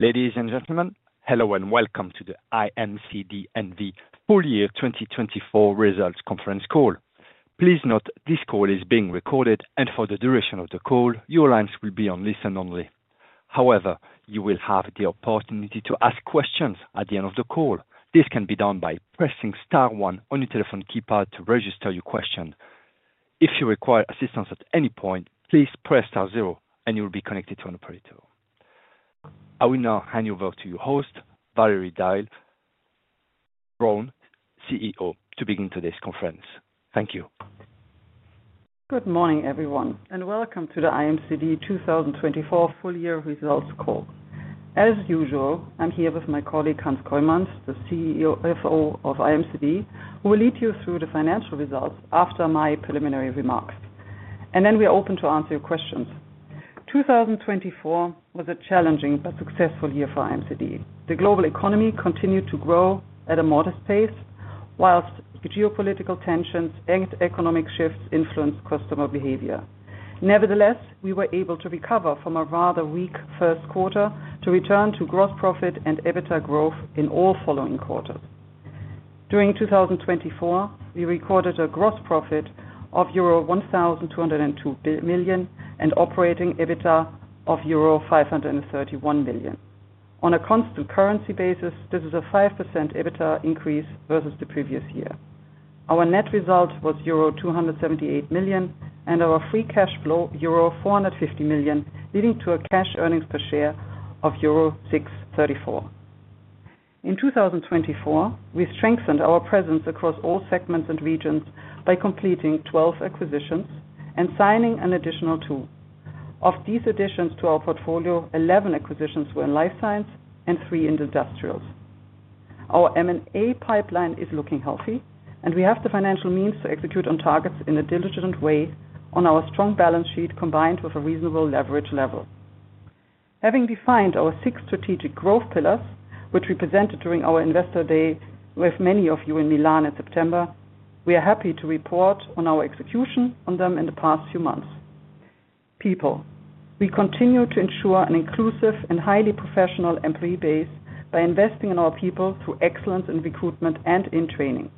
Ladies and gentlemen, hello and welcome to the IMCD NV Full Year 2024 Results Conference Call. Please note this call is being recorded, and for the duration of the call, your lines will be on listen only. However, you will have the opportunity to ask questions at the end of the call. This can be done by pressing star one on your telephone keypad to register your question. If you require assistance at any point, please press star zero, and you will be connected to an operator. I will now hand you over to your host, Valerie Diele-Braun, CEO, to begin today's conference. Thank you. Good morning, everyone, and welcome to the IMCD 2024 Full Year Results Call. As usual, I'm here with my colleague, Hans Kooijmans, the CFO of IMCD, who will lead you through the financial results after my preliminary remarks, and then we are open to answer your questions. 2024 was a challenging but successful year for IMCD. The global economy continued to grow at a modest pace, while geopolitical tensions and economic shifts influenced customer behavior. Nevertheless, we were able to recover from a rather weak first quarter to return to gross profit and EBITDA growth in all following quarters. During 2024, we recorded a gross profit of euro 1,202 million and operating EBITDA of euro 531 million. On a constant currency basis, this is a 5% EBITDA increase versus the previous year. Our net result was euro 278 million, and our free cash flow, euro 450 million, leading to a cash earnings per share of euro 634. In 2024, we strengthened our presence across all segments and regions by completing 12 acquisitions and signing an additional two. Of these additions to our portfolio, 11 acquisitions were in Life Science and three in Industrials. Our M&A pipeline is looking healthy, and we have the financial means to execute on targets in a diligent way on our strong balance sheet combined with a reasonable leverage level. Having defined our six strategic growth pillars, which we presented during our investor day with many of you in Milan in September, we are happy to report on our execution on them in the past few months. People, we continue to ensure an inclusive and highly professional employee base by investing in our people through excellence in recruitment and in training.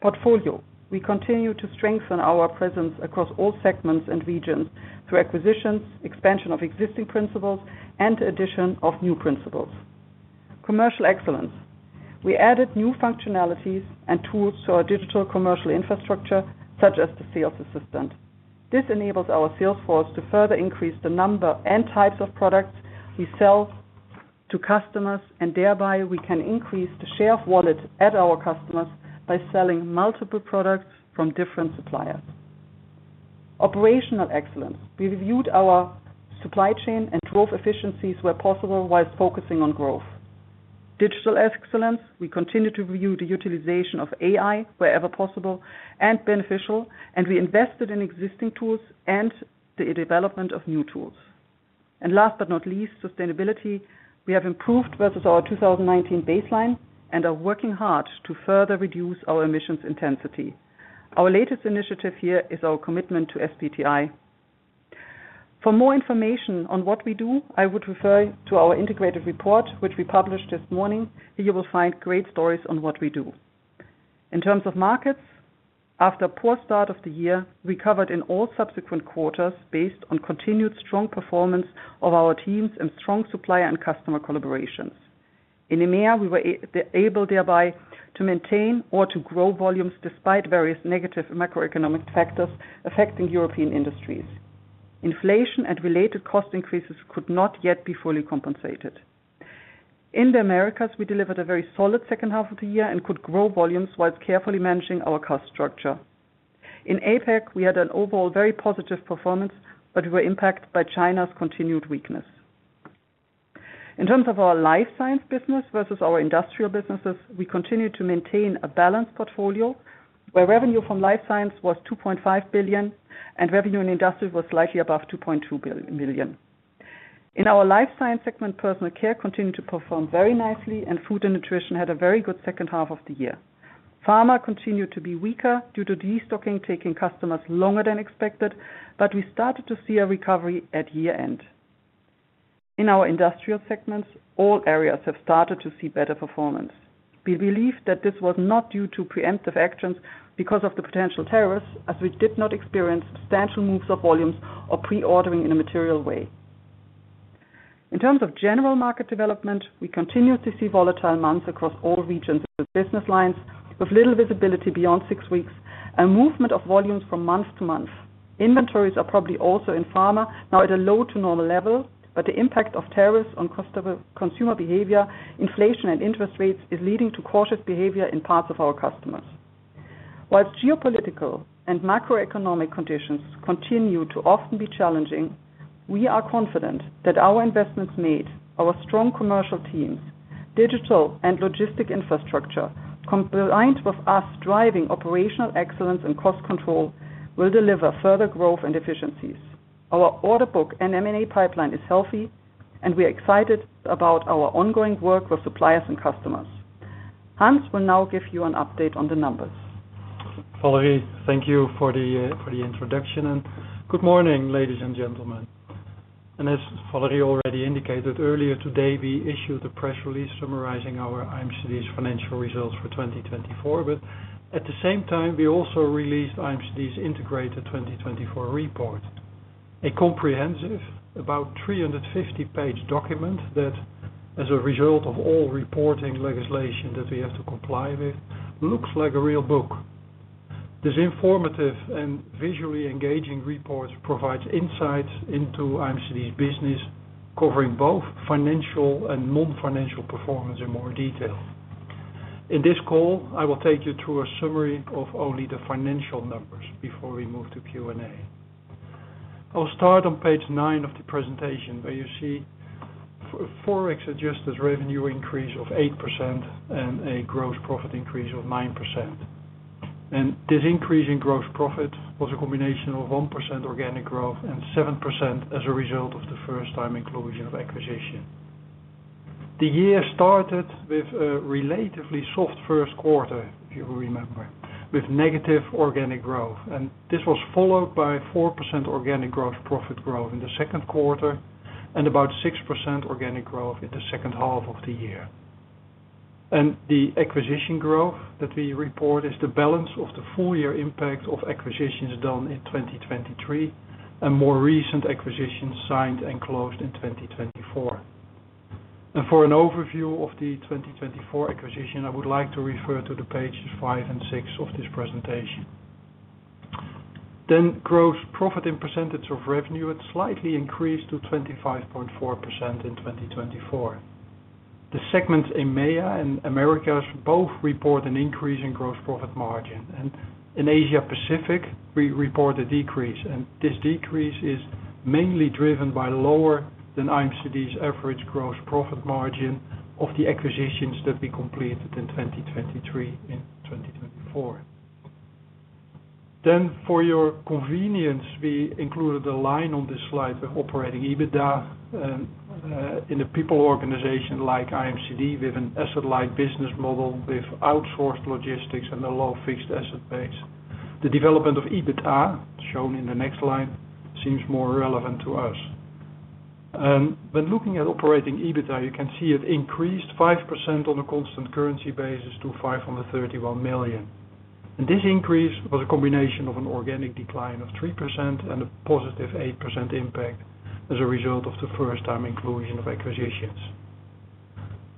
Portfolio, we continue to strengthen our presence across all segments and regions through acquisitions, expansion of existing principals, and the addition of new principals. Commercial excellence, we added new functionalities and tools to our digital commercial infrastructure, such as the Sales Assistant. This enables our sales force to further increase the number and types of products we sell to customers, and thereby we can increase the share of wallet at our customers by selling multiple products from different suppliers. Operational excellence, we reviewed our supply chain and drove efficiencies where possible while focusing on growth. Digital excellence, we continue to review the utilization of AI wherever possible and beneficial, and we invested in existing tools and the development of new tools. And last but not least, sustainability, we have improved versus our 2019 baseline and are working hard to further reduce our emissions intensity. Our latest initiative here is our commitment to SBTi. For more information on what we do, I would refer to our integrated report, which we published this morning. You will find great stories on what we do. In terms of markets, after a poor start of the year, we recovered in all subsequent quarters based on continued strong performance of our teams and strong supplier and customer collaborations. In EMEA, we were able thereby to maintain or to grow volumes despite various negative macroeconomic factors affecting European industries. Inflation and related cost increases could not yet be fully compensated. In the Americas, we delivered a very solid second half of the year and could grow volumes whilst carefully managing our cost structure. In APAC, we had an overall very positive performance, but we were impacted by China's continued weakness. In terms of our Life Science Business versus our Industrial Businesses, we continue to maintain a balanced portfolio where revenue from Life Science was 2.5 billion and revenue in industry was slightly above 2.2 billion. In our Life Science segment, Personal Care continued to perform very nicely, and Food & Nutrition had a very good second half of the year. Pharma continued to be weaker due to restocking, taking customers longer than expected, but we started to see a recovery at year-end. In our industrial segments, all areas have started to see better performance. We believe that this was not due to preemptive actions because of the potential tariffs, as we did not experience substantial moves of volumes or pre-ordering in a material way. In terms of general market development, we continued to see volatile months across all regions with business lines, with little visibility beyond six weeks and movement of volumes from month to month. Inventories are probably also in pharma now at a low to normal level, but the impact of tariffs on customer behavior, inflation, and interest rates is leading to cautious behavior in parts of our customers. While geopolitical and macroeconomic conditions continue to often be challenging, we are confident that our investments made, our strong commercial teams, digital and logistics infrastructure, combined with us driving operational excellence and cost control, will deliver further growth and efficiencies. Our order book and M&A pipeline is healthy, and we are excited about our ongoing work with suppliers and customers. Hans will now give you an update on the numbers. Valerie, thank you for the introduction, and good morning, ladies and gentlemen. And as Valerie already indicated earlier today, we issued a press release summarizing our IMCD's financial results for 2024, but at the same time, we also released IMCD's Integrated 2024 Report, a comprehensive, about 350-page document that, as a result of all reporting legislation that we have to comply with, looks like a real book. This informative and visually engaging report provides insights into IMCD's business, covering both financial and non-financial performance in more detail. In this call, I will take you through a summary of only the financial numbers before we move to Q&A. I'll start on page nine of the presentation, where you see Forex adjusted revenue increase of 8% and a gross profit increase of 9%. This increase in gross profit was a combination of 1% organic growth and 7% as a result of the first-time inclusion of acquisition. The year started with a relatively soft first quarter, if you remember, with negative organic growth, and this was followed by 4% organic growth profit growth in the second quarter and about 6% organic growth in the second half of the year. The acquisition growth that we report is the balance of the full year impact of acquisitions done in 2023 and more recent acquisitions signed and closed in 2024. For an overview of the 2024 acquisition, I would like to refer to pages five and six of this presentation. Gross profit in percentage of revenue had slightly increased to 25.4% in 2024. The segments EMEA and Americas both report an increase in gross profit margin, and in Asia Pacific, we report a decrease, and this decrease is mainly driven by lower than IMCD's average gross profit margin of the acquisitions that we completed in 2023 and 2024. Then for your convenience, we included a line on this slide of operating EBITDA in a people organization like IMCD with an asset-light business model with outsourced logistics and a low fixed asset base. The development of EBITDA, shown in the next line, seems more relevant to us. And when looking at operating EBITDA, you can see it increased 5% on a constant currency basis to 531 million. And this increase was a combination of an organic decline of 3% and a positive 8% impact as a result of the first-time inclusion of acquisitions.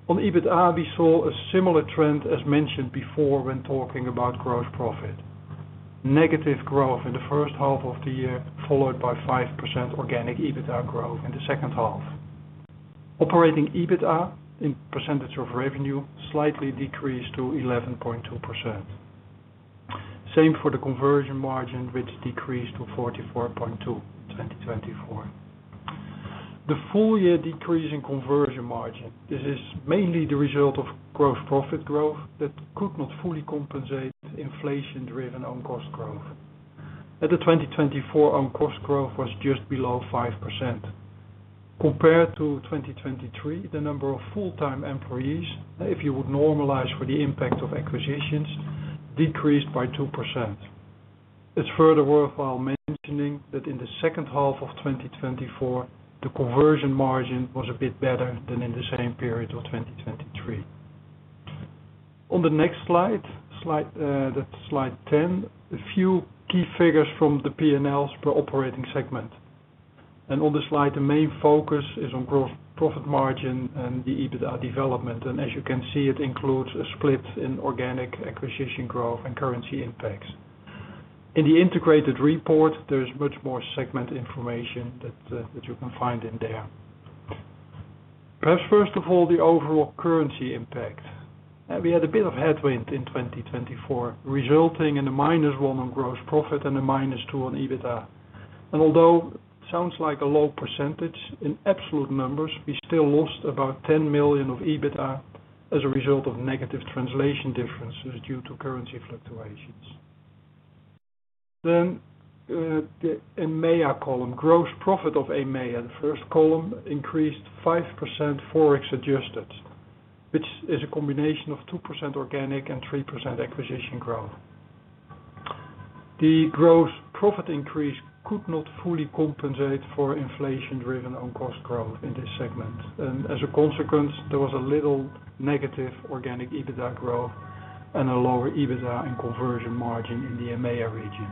On EBITDA, we saw a similar trend as mentioned before when talking about gross profit. Negative growth in the first half of the year, followed by 5% organic EBITDA growth in the second half. Operating EBITDA in percentage of revenue slightly decreased to 11.2%. Same for the conversion margin, which decreased to 44.2% in 2024. The full year decrease in conversion margin. This is mainly the result of gross profit growth that could not fully compensate inflation-driven on-cost growth. In 2024, on-cost growth was just below 5%. Compared to 2023, the number of full-time employees, if you would normalize for the impact of acquisitions, decreased by 2%. It's further worthwhile mentioning that in the second half of 2024, the conversion margin was a bit better than in the same period of 2023. On the next slide, that's slide 10, a few key figures from the P&Ls per operating segment. And on the slide, the main focus is on gross profit margin and the EBITDA development, and as you can see, it includes a split in organic acquisition growth and currency impacts. In the integrated report, there is much more segment information that you can find in there. Perhaps first of all, the overall currency impact. We had a bit of headwind in 2024, resulting in a -1% on gross profit and a -2% on EBITDA. And although it sounds like a low percentage, in absolute numbers, we still lost about 10 million of EBITDA as a result of negative translation differences due to currency fluctuations. Then the EMEA column, gross profit of EMEA, the first column, increased 5% Forex adjusted, which is a combination of 2% organic and 3% acquisition growth. The gross profit increase could not fully compensate for inflation-driven on-cost growth in this segment, and as a consequence, there was a little negative organic EBITDA growth and a lower EBITDA and conversion margin in the EMEA region.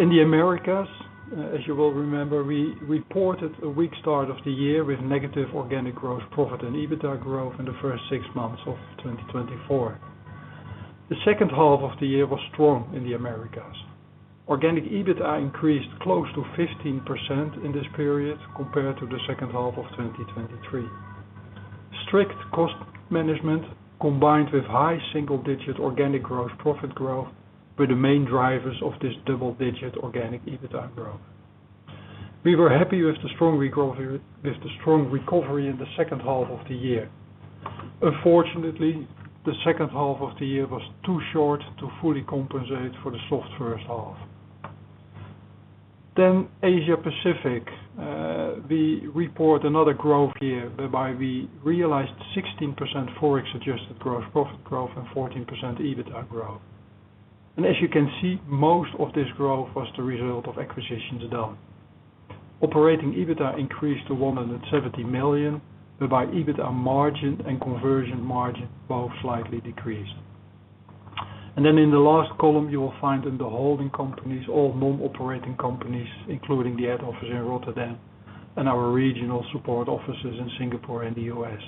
In the Americas, as you will remember, we reported a weak start of the year with negative organic gross profit and EBITDA growth in the first six months of 2024. The second half of the year was strong in the Americas. Organic EBITDA increased close to 15% in this period compared to the second half of 2023. Strict cost management combined with high single-digit organic gross profit growth were the main drivers of this double-digit organic EBITDA growth. We were happy with the strong recovery in the second half of the year. Unfortunately, the second half of the year was too short to fully compensate for the soft first half. Then Asia Pacific, we report another growth year whereby we realized 16% Forex adjusted gross profit growth and 14% EBITDA growth. And as you can see, most of this growth was the result of acquisitions done. Operating EBITDA increased to 170 million, whereby EBITDA margin and conversion margin both slightly decreased. And then in the last column, you will find in the holding companies, all non-operating companies, including the head office in Rotterdam and our regional support offices in Singapore and the US.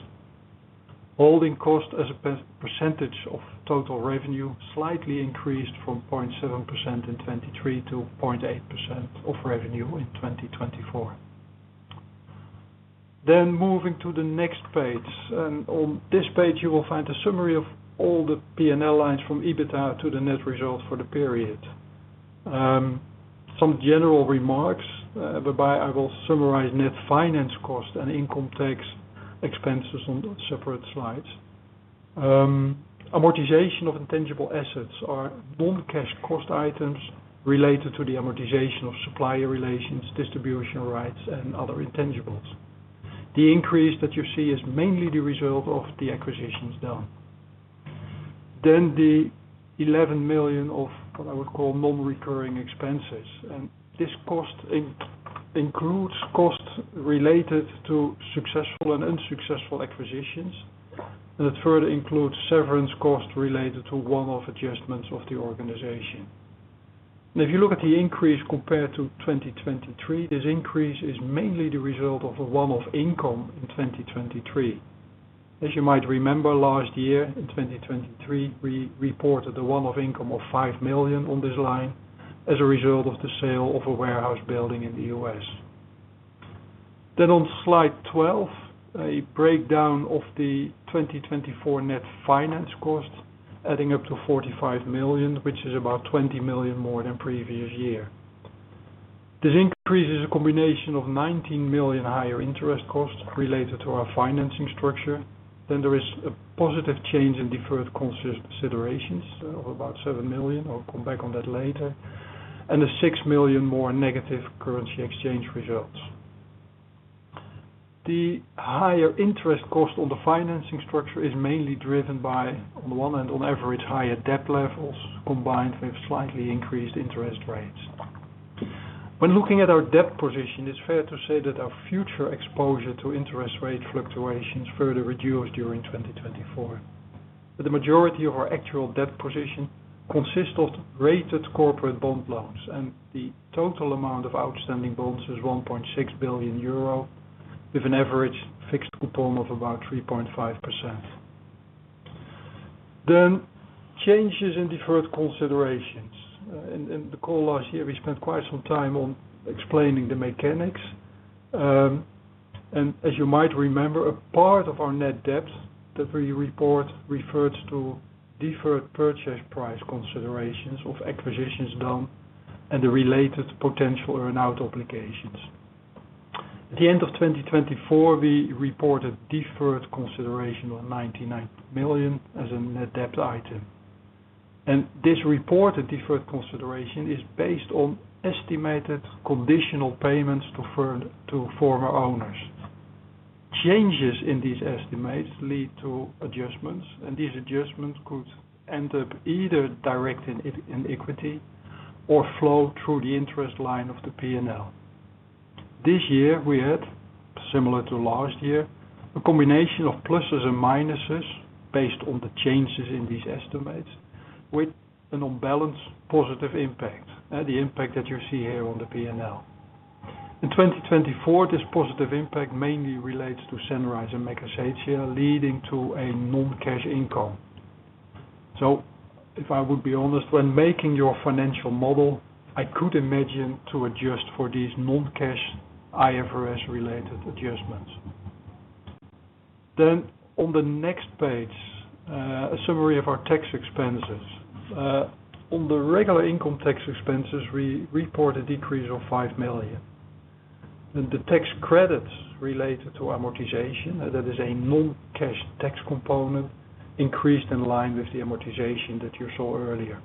Holding cost as a percentage of total revenue slightly increased from 0.7% in 2023 to 0.8% of revenue in 2024. Then moving to the next page, and on this page, you will find a summary of all the P&L lines from EBITDA to the net result for the period. Some general remarks whereby I will summarize net finance cost and income tax expenses on separate slides. Amortization of intangible assets are non-cash cost items related to the amortization of supplier relations, distribution rights, and other intangibles. The increase that you see is mainly the result of the acquisitions done. Then the 11 million of what I would call non-recurring expenses, and this cost includes costs related to successful and unsuccessful acquisitions, and it further includes severance costs related to one-off adjustments of the organization. And if you look at the increase compared to 2023, this increase is mainly the result of a one-off income in 2023. As you might remember, last year in 2023, we reported a one-off income of 5 million on this line as a result of the sale of a warehouse building in the U.S. Then on slide 12, a breakdown of the 2024 net finance cost adding up to 45 million, which is about 20 million more than previous year. This increase is a combination of 19 million higher interest costs related to our financing structure. Then there is a positive change in deferred considerations of about 7 million. I'll come back on that later. And a 6 million more negative currency exchange results. The higher interest cost on the financing structure is mainly driven by, on the one hand, on average, higher debt levels combined with slightly increased interest rates. When looking at our debt position, it's fair to say that our future exposure to interest rate fluctuations further reduced during 2024. The majority of our actual debt position consists of rated corporate bond loans, and the total amount of outstanding bonds is 1.6 billion euro, with an average fixed coupon of about 3.5%. Then changes in deferred considerations. In the call last year, we spent quite some time on explaining the mechanics. As you might remember, a part of our net debt that we report refers to deferred purchase price considerations of acquisitions done and the related potential earn-out obligations. At the end of 2024, we reported deferred consideration of 99 million as a net debt item. This reported deferred consideration is based on estimated conditional payments to former owners. Changes in these estimates lead to adjustments, and these adjustments could end up either direct in equity or flow through the interest line of the P&L. This year, we had, similar to last year, a combination of pluses and minuses based on the changes in these estimates with an unbalanced positive impact, the impact that you see here on the P&L. In 2024, thi positive impact mainly relates to Sanrise and Megasetia, leading to a non-cash income. So if I would be honest, when making your financial model, I could imagine to adjust for these non-cash IFRS-related adjustments. Then on the next page, a summary of our tax expenses. On the regular income tax expenses, we report a decrease of 5 million. Then the tax credits related to amortization, that is a non-cash tax component, increased in line with the amortization that you saw earlier.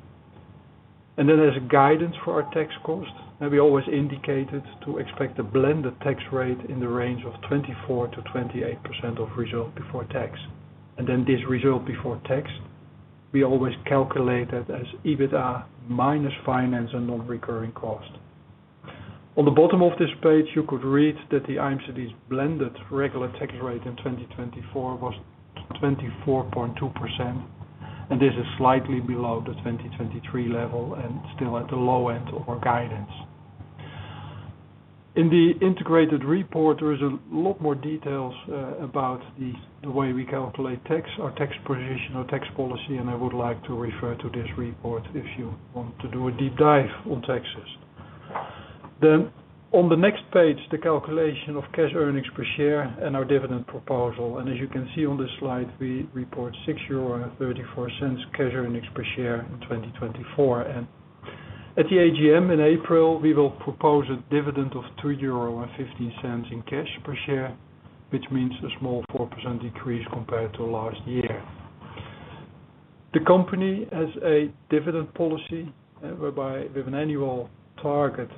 And then as guidance for our tax cost, we always indicated to expect a blended tax rate in the range of 24%-28% of result before tax. And then this result before tax, we always calculate that as EBITDA minus finance and non-recurring cost. On the bottom of this page, you could read that the IMCD's blended regular tax rate in 2024 was 24.2%, and this is slightly below the 2023 level and still at the low end of our guidance. In the integrated report, there is a lot more details about the way we calculate tax, our tax position, our tax policy, and I would like to refer to this report if you want to do a deep dive on taxes. Then on the next page, the calculation of cash earnings per share and our dividend proposal. And as you can see on this slide, we report 6.34 euro cash earnings per share in 2024. And at the AGM in April, we will propose a dividend of 2.15 euro in cash per share, which means a small 4% decrease compared to last year. The company has a dividend policy whereby we have an annual target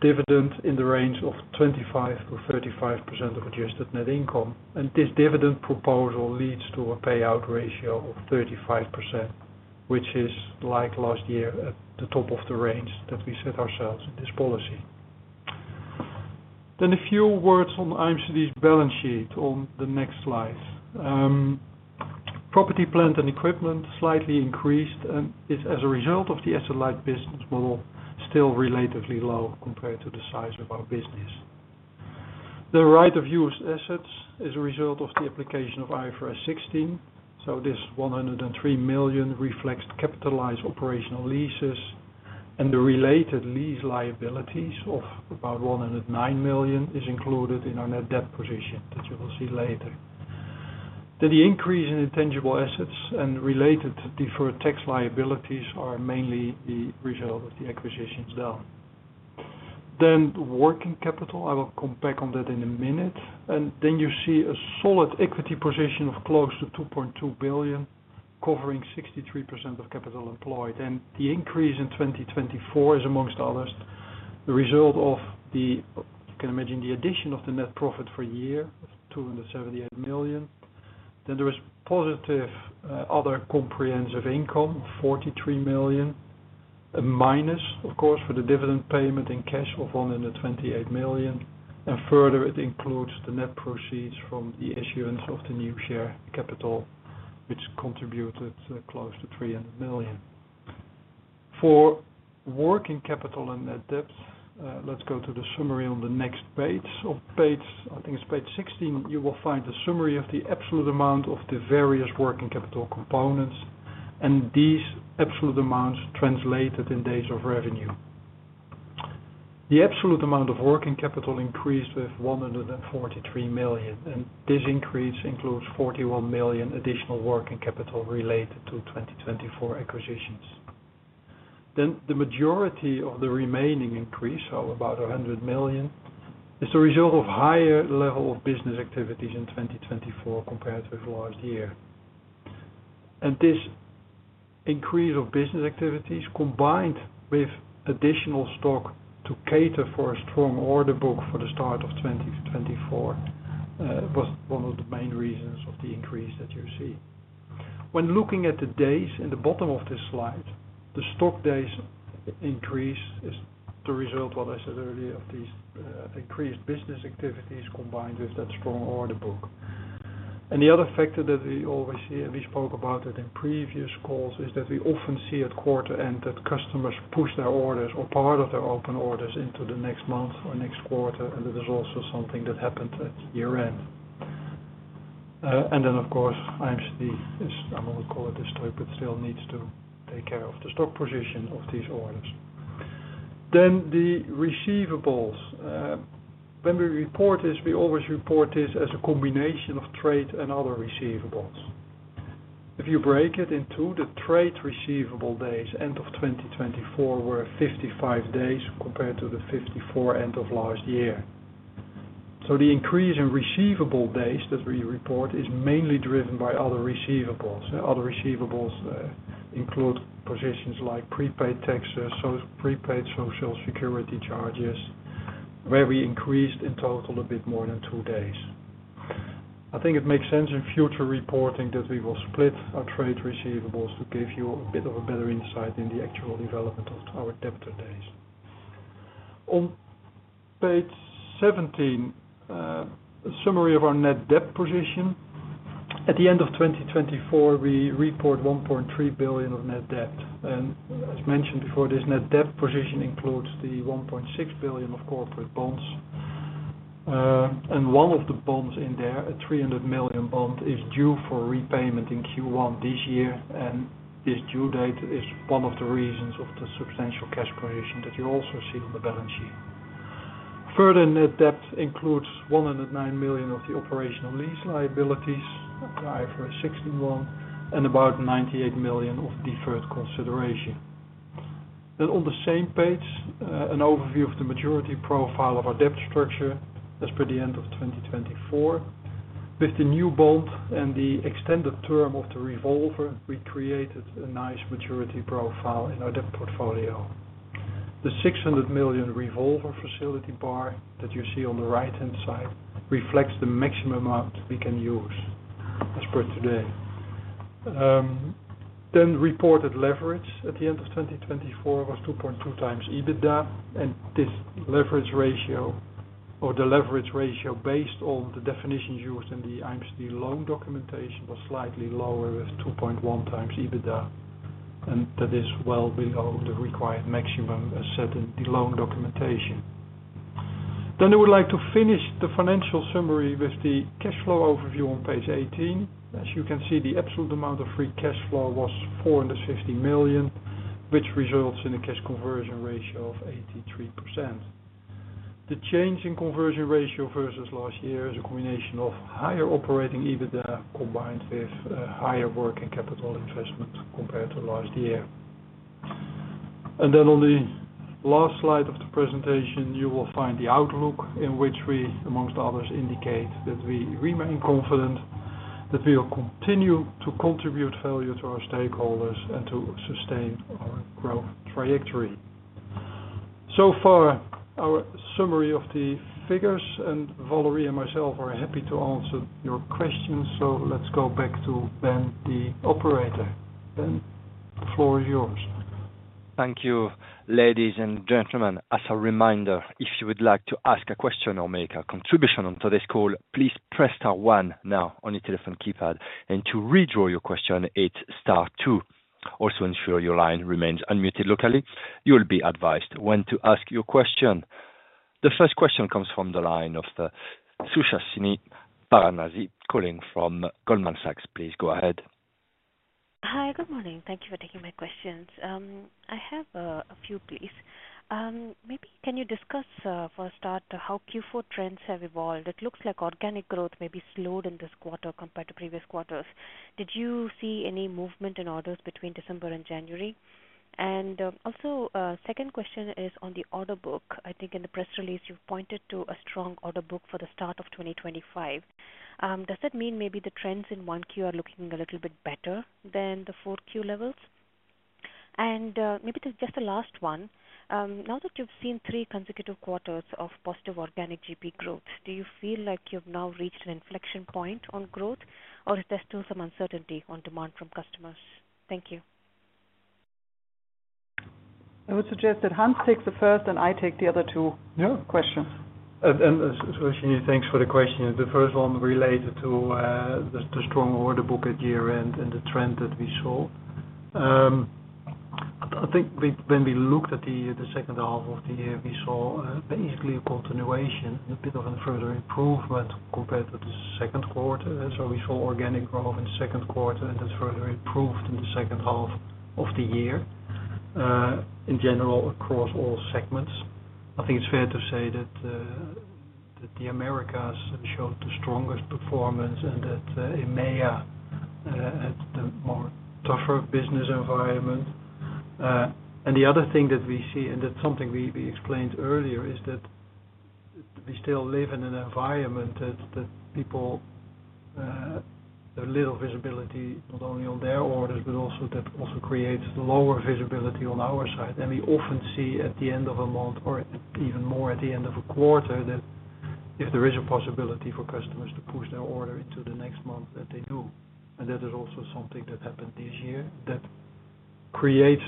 dividend in the range of 25%-35% of adjusted net income. And this dividend proposal leads to a payout ratio of 35%, which is like last year at the top of the range that we set ourselves in this policy. Then a few words on IMCD's balance sheet on the next slide. Property, plant, and equipment slightly increased and is, as a result of the asset-light business model, still relatively low compared to the size of our business. The right-of-use assets is a result of the application of IFRS 16. So this 103 million reflects capitalized operational leases, and the related lease liabilities of about 109 million is included in our net debt position that you will see later. Then the increase in intangible assets and related deferred tax liabilities are mainly the result of the acquisitions done. Then working capital, I will come back on that in a minute. You see a solid equity position of close to 2.2 billion, covering 63% of capital employed. The increase in 2024 is, among others, the result of, you can imagine, the addition of the net profit for a year of 278 million. There is positive other comprehensive income of 43 million, a minus, of course, for the dividend payment in cash of 128 million. Further, it includes the net proceeds from the issuance of the new share capital, which contributed close to 300 million. For working capital and net debt, let's go to the summary on the next page. On page, I think it's page 16, you will find the summary of the absolute amount of the various working capital components, and these absolute amounts translated in days of revenue. The absolute amount of working capital increased with 143 million, and this increase includes 41 million additional working capital related to 2024 acquisitions. Then the majority of the remaining increase, so about 100 million, is the result of higher level of business activities in 2024 compared with last year. And this increase of business activities combined with additional stock to cater for a strong order book for the start of 2024 was one of the main reasons of the increase that you see. When looking at the days in the bottom of this slide, the stock days increase is the result, what I said earlier, of these increased business activities combined with that strong order book. The other factor that we always see, and we spoke about it in previous calls, is that we often see at quarter end that customers push their orders or part of their open orders into the next month or next quarter, and that is also something that happened at year-end. Of course, IMCD, I would call it this strip, but still needs to take care of the stock position of these orders. The receivables. When we report this, we always report this as a combination of trade and other receivables. If you break it in two, the trade receivable days, end of 2024, were 55 days compared to the 54 end of last year. The increase in receivable days that we report is mainly driven by other receivables. Other receivables include positions like prepaid taxes, prepaid social security charges, where we increased in total a bit more than two days. I think it makes sense in future reporting that we will split our trade receivables to give you a bit of a better insight in the actual development of our debtor days. On page 17, a summary of our net debt position. At the end of 2024, we report 1.3 billion of net debt. And as mentioned before, this net debt position includes the 1.6 billion of corporate bonds. And one of the bonds in there, a 300 million bond, is due for repayment in Q1 this year, and this due date is one of the reasons of the substantial cash position that you also see on the balance sheet. Further, net debt includes 109 million of the operational lease liabilities, IFRS 16, and about 98 million of deferred consideration. Then on the same page, an overview of the maturity profile of our debt structure as per the end of 2024. With the new bond and the extended term of the revolver, we created a nice maturity profile in our debt structure. The 600 million revolver facility bar that you see on the right-hand side reflects the maximum amount we can use as per today. Then reported leverage at the end of 2024 was 2.2 times EBITDA, and this leverage ratio or the leverage ratio based on the definitions used in the IMCD loan documentation was slightly lower with 2.1 times EBITDA, and that is well below the required maximum as set in the loan documentation. Then I would like to finish the financial summary with the cash flow overview on page 18. As you can see, the absolute amount of free cash flow was 450 million, which results in a cash conversion ratio of 83%. The change in conversion ratio versus last year is a combination of higher operating EBITDA combined with higher working capital investment compared to last year. And then on the last slide of the presentation, you will find the outlook in which we, among others, indicate that we remain confident that we will continue to contribute value to our stakeholders and to sustain our growth trajectory. So far, our summary of the figures, and Valerie and myself are happy to answer your questions. So let's go back to Ben, the operator. Ben, the floor is yours. Thank you, ladies and gentlemen. As a reminder, if you would like to ask a question or make a contribution on today's call, please press star one now on your telephone keypad and to withdraw your question, hit star two. Also, ensure your line remains unmuted locally. You will be advised when to ask your question. The first question comes from the line of Suhasini Varanasi, calling from Goldman Sachs. Please go ahead. Hi, good morning. Thank you for taking my questions. I have a few, please. Maybe can you discuss for a start how Q4 trends have evolved? It looks like organic growth may be slowed in this quarter compared to previous quarters. Did you see any movement in orders between December and January? And also, second question is on the order book. I think in the press release, you pointed to a strong order book for the start of 2025. Does that mean maybe the trends in one Q are looking a little bit better than the four Q levels? And maybe just the last one. Now that you've seen three consecutive quarters of positive organic GP growth, do you feel like you've now reached an inflection point on growth, or is there still some uncertainty on demand from customers? Thank you. I would suggest that Hans takes the first and I take the other two questions. And Suhasini, thanks for the question. The first one related to the strong order book at year-end and the trend that we saw. I think when we looked at the second half of the year, we saw basically a continuation and a bit of a further improvement compared to the second quarter. So we saw organic growth in the second quarter, and it further improved in the second half of the year, in general, across all segments. I think it's fair to say that the Americas showed the strongest performance and that EMEA had the more tougher business environment. And the other thing that we see, and that's something we explained earlier, is that we still live in an environment that people have little visibility, not only on their orders, but also that also creates lower visibility on our side. And we often see at the end of a month, or even more at the end of a quarter, that if there is a possibility for customers to push their order into the next month, that they do. And that is also something that happened this year that creates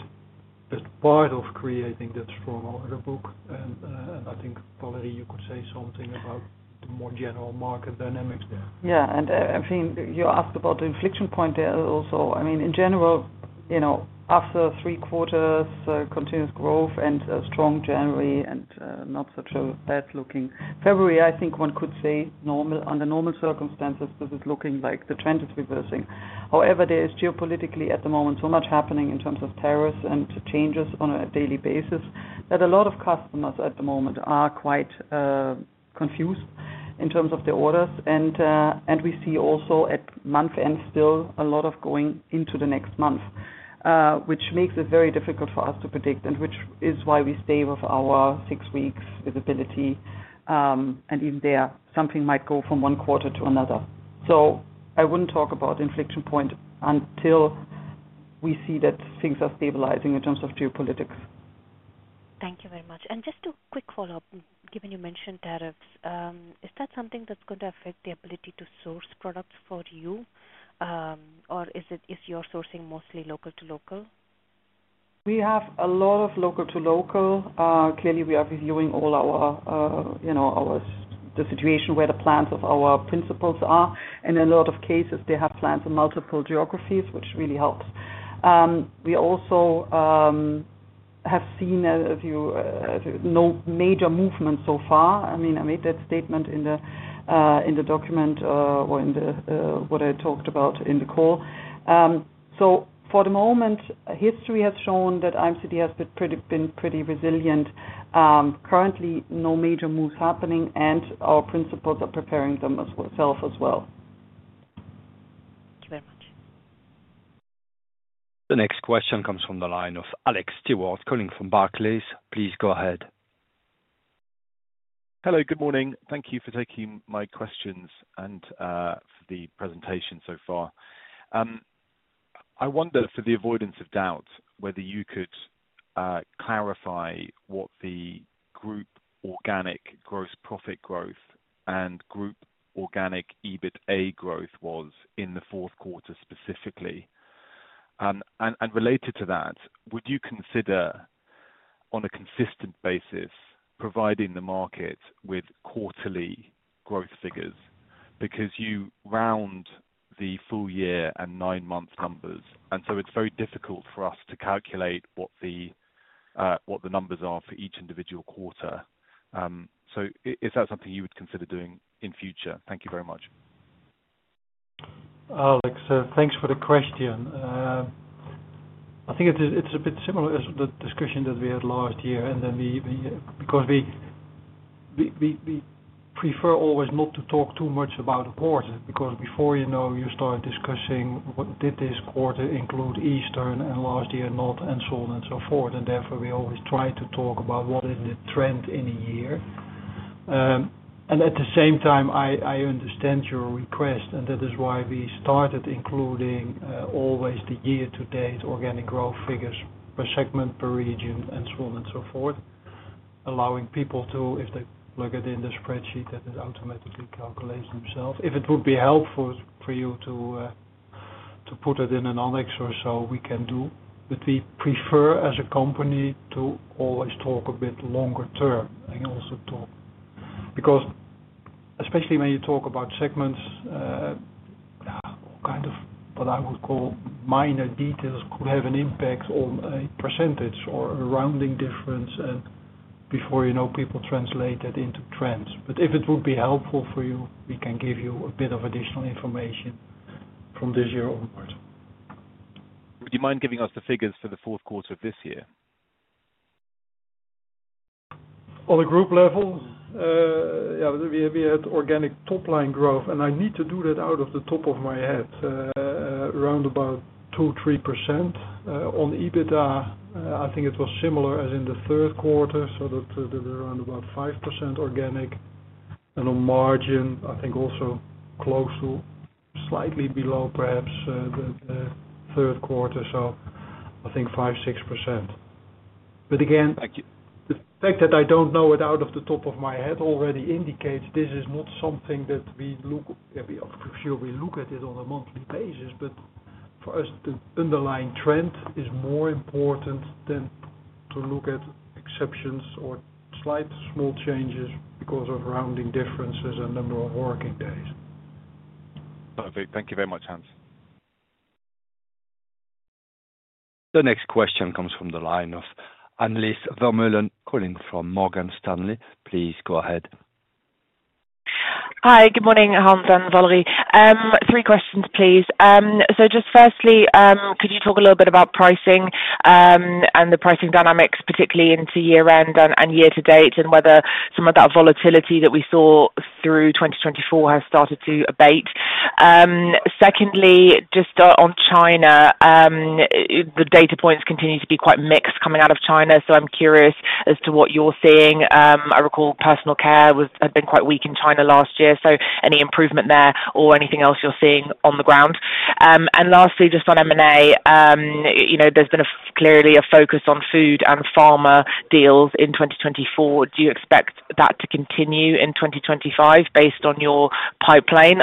as part of creating that strong order book. I think, Valerie, you could say something about the more general market dynamics there. Yeah. I mean, you asked about the inflection point there also. I mean, in general, after three quarters, continuous growth and a strong January and not such a bad looking February, I think one could say under normal circumstances, this is looking like the trend is reversing. However, there is geopolitically at the moment so much happening in terms of tariffs and changes on a daily basis that a lot of customers at the moment are quite confused in terms of their orders. We see also at month-end still a lot of going into the next month, which makes it very difficult for us to predict, and which is why we stay with our six-week visibility. Even there, something might go from one quarter to another. So I wouldn't talk about inflection point until we see that things are stabilizing in terms of geopolitics. Thank you very much. And just a quick follow-up, given you mentioned tariffs, is that something that's going to affect the ability to source products for you, or is your sourcing mostly local to local? We have a lot of local to local. Clearly, we are reviewing all of the situations where the plants of our principals are. And in a lot of cases, they have plants in multiple geographies, which really helps. We also have seen no major movement so far. I mean, I made that statement in the document or in what I talked about in the call. So for the moment, history has shown that IMCD has been pretty resilient. Currently, no major moves happening, and our principals are preparing themselves as well. Thank you very much. The next question comes from the line of Alex Stewart calling from Barclays. Please go ahead. Hello, good morning. Thank you for taking my questions and for the presentation so far. I wonder, for the avoidance of doubt, whether you could clarify what the group organic gross profit growth and group organic EBITDA growth was in the fourth quarter specifically. And related to that, would you consider, on a consistent basis, providing the market with quarterly growth figures? Because you round the full year and nine-month numbers, and so it's very difficult for us to calculate what the numbers are for each individual quarter. So is that something you would consider doing in future? Thank you very much. Alex, thanks for the question. I think it's a bit similar to the discussion that we had last year. And then, because we prefer always not to talk too much about a quarter, because before you start discussing, did this quarter include Eastern and last year not, and so on and so forth. And therefore, we always try to talk about what is the trend in a year. And at the same time, I understand your request, and that is why we started including always the year-to-date organic growth figures per segment, per region, and so on and so forth, allowing people to, if they look at it in the spreadsheet, that it automatically calculates themselves. If it would be helpful for you to put it in an annex or so, we can do. But we prefer, as a company, to always talk a bit longer term and also talk. Because especially when you talk about segments, kind of what I would call minor details could have an impact on a percentage or a rounding difference. And before you know, people translate that into trends. But if it would be helpful for you, we can give you a bit of additional information from this year onward. Would you mind giving us the figures for the fourth quarter of this year? On a group level, yeah, we had organic top-line growth, and I need to do that out of the top of my head, around about 2-3%. On EBITDA, I think it was similar as in the third quarter, so that around about 5% organic. And on margin, I think also close to slightly below, perhaps, the third quarter. So I think 5-6%. But again, the fact that I don't know it out of the top of my head already indicates this is not something that we look at. I'm sure we look at it on a monthly basis, but for us, the underlying trend is more important than to look at exceptions or slight small changes because of rounding differences and number of working days. Perfect. Thank you very much, Hans. The next question comes from the line of Annelies Vermeulen calling from Morgan Stanley. Please go ahead. Hi, good morning, Hans and Valerie. Three questions, please. So just firstly, could you talk a little bit about pricing and the pricing dynamics, particularly into year-end and year-to-date, and whether some of that volatility that we saw through 2024 has started to abate? Secondly, just on China, the data points continue to be quite mixed coming out of China. I'm curious as to what you're seeing. I recall personal care had been quite weak in China last year. Any improvement there or anything else you're seeing on the ground? And lastly, just on M&A, there's been clearly a focus on food and pharma deals in 2024. Do you expect that to continue in 2025 based on your pipeline,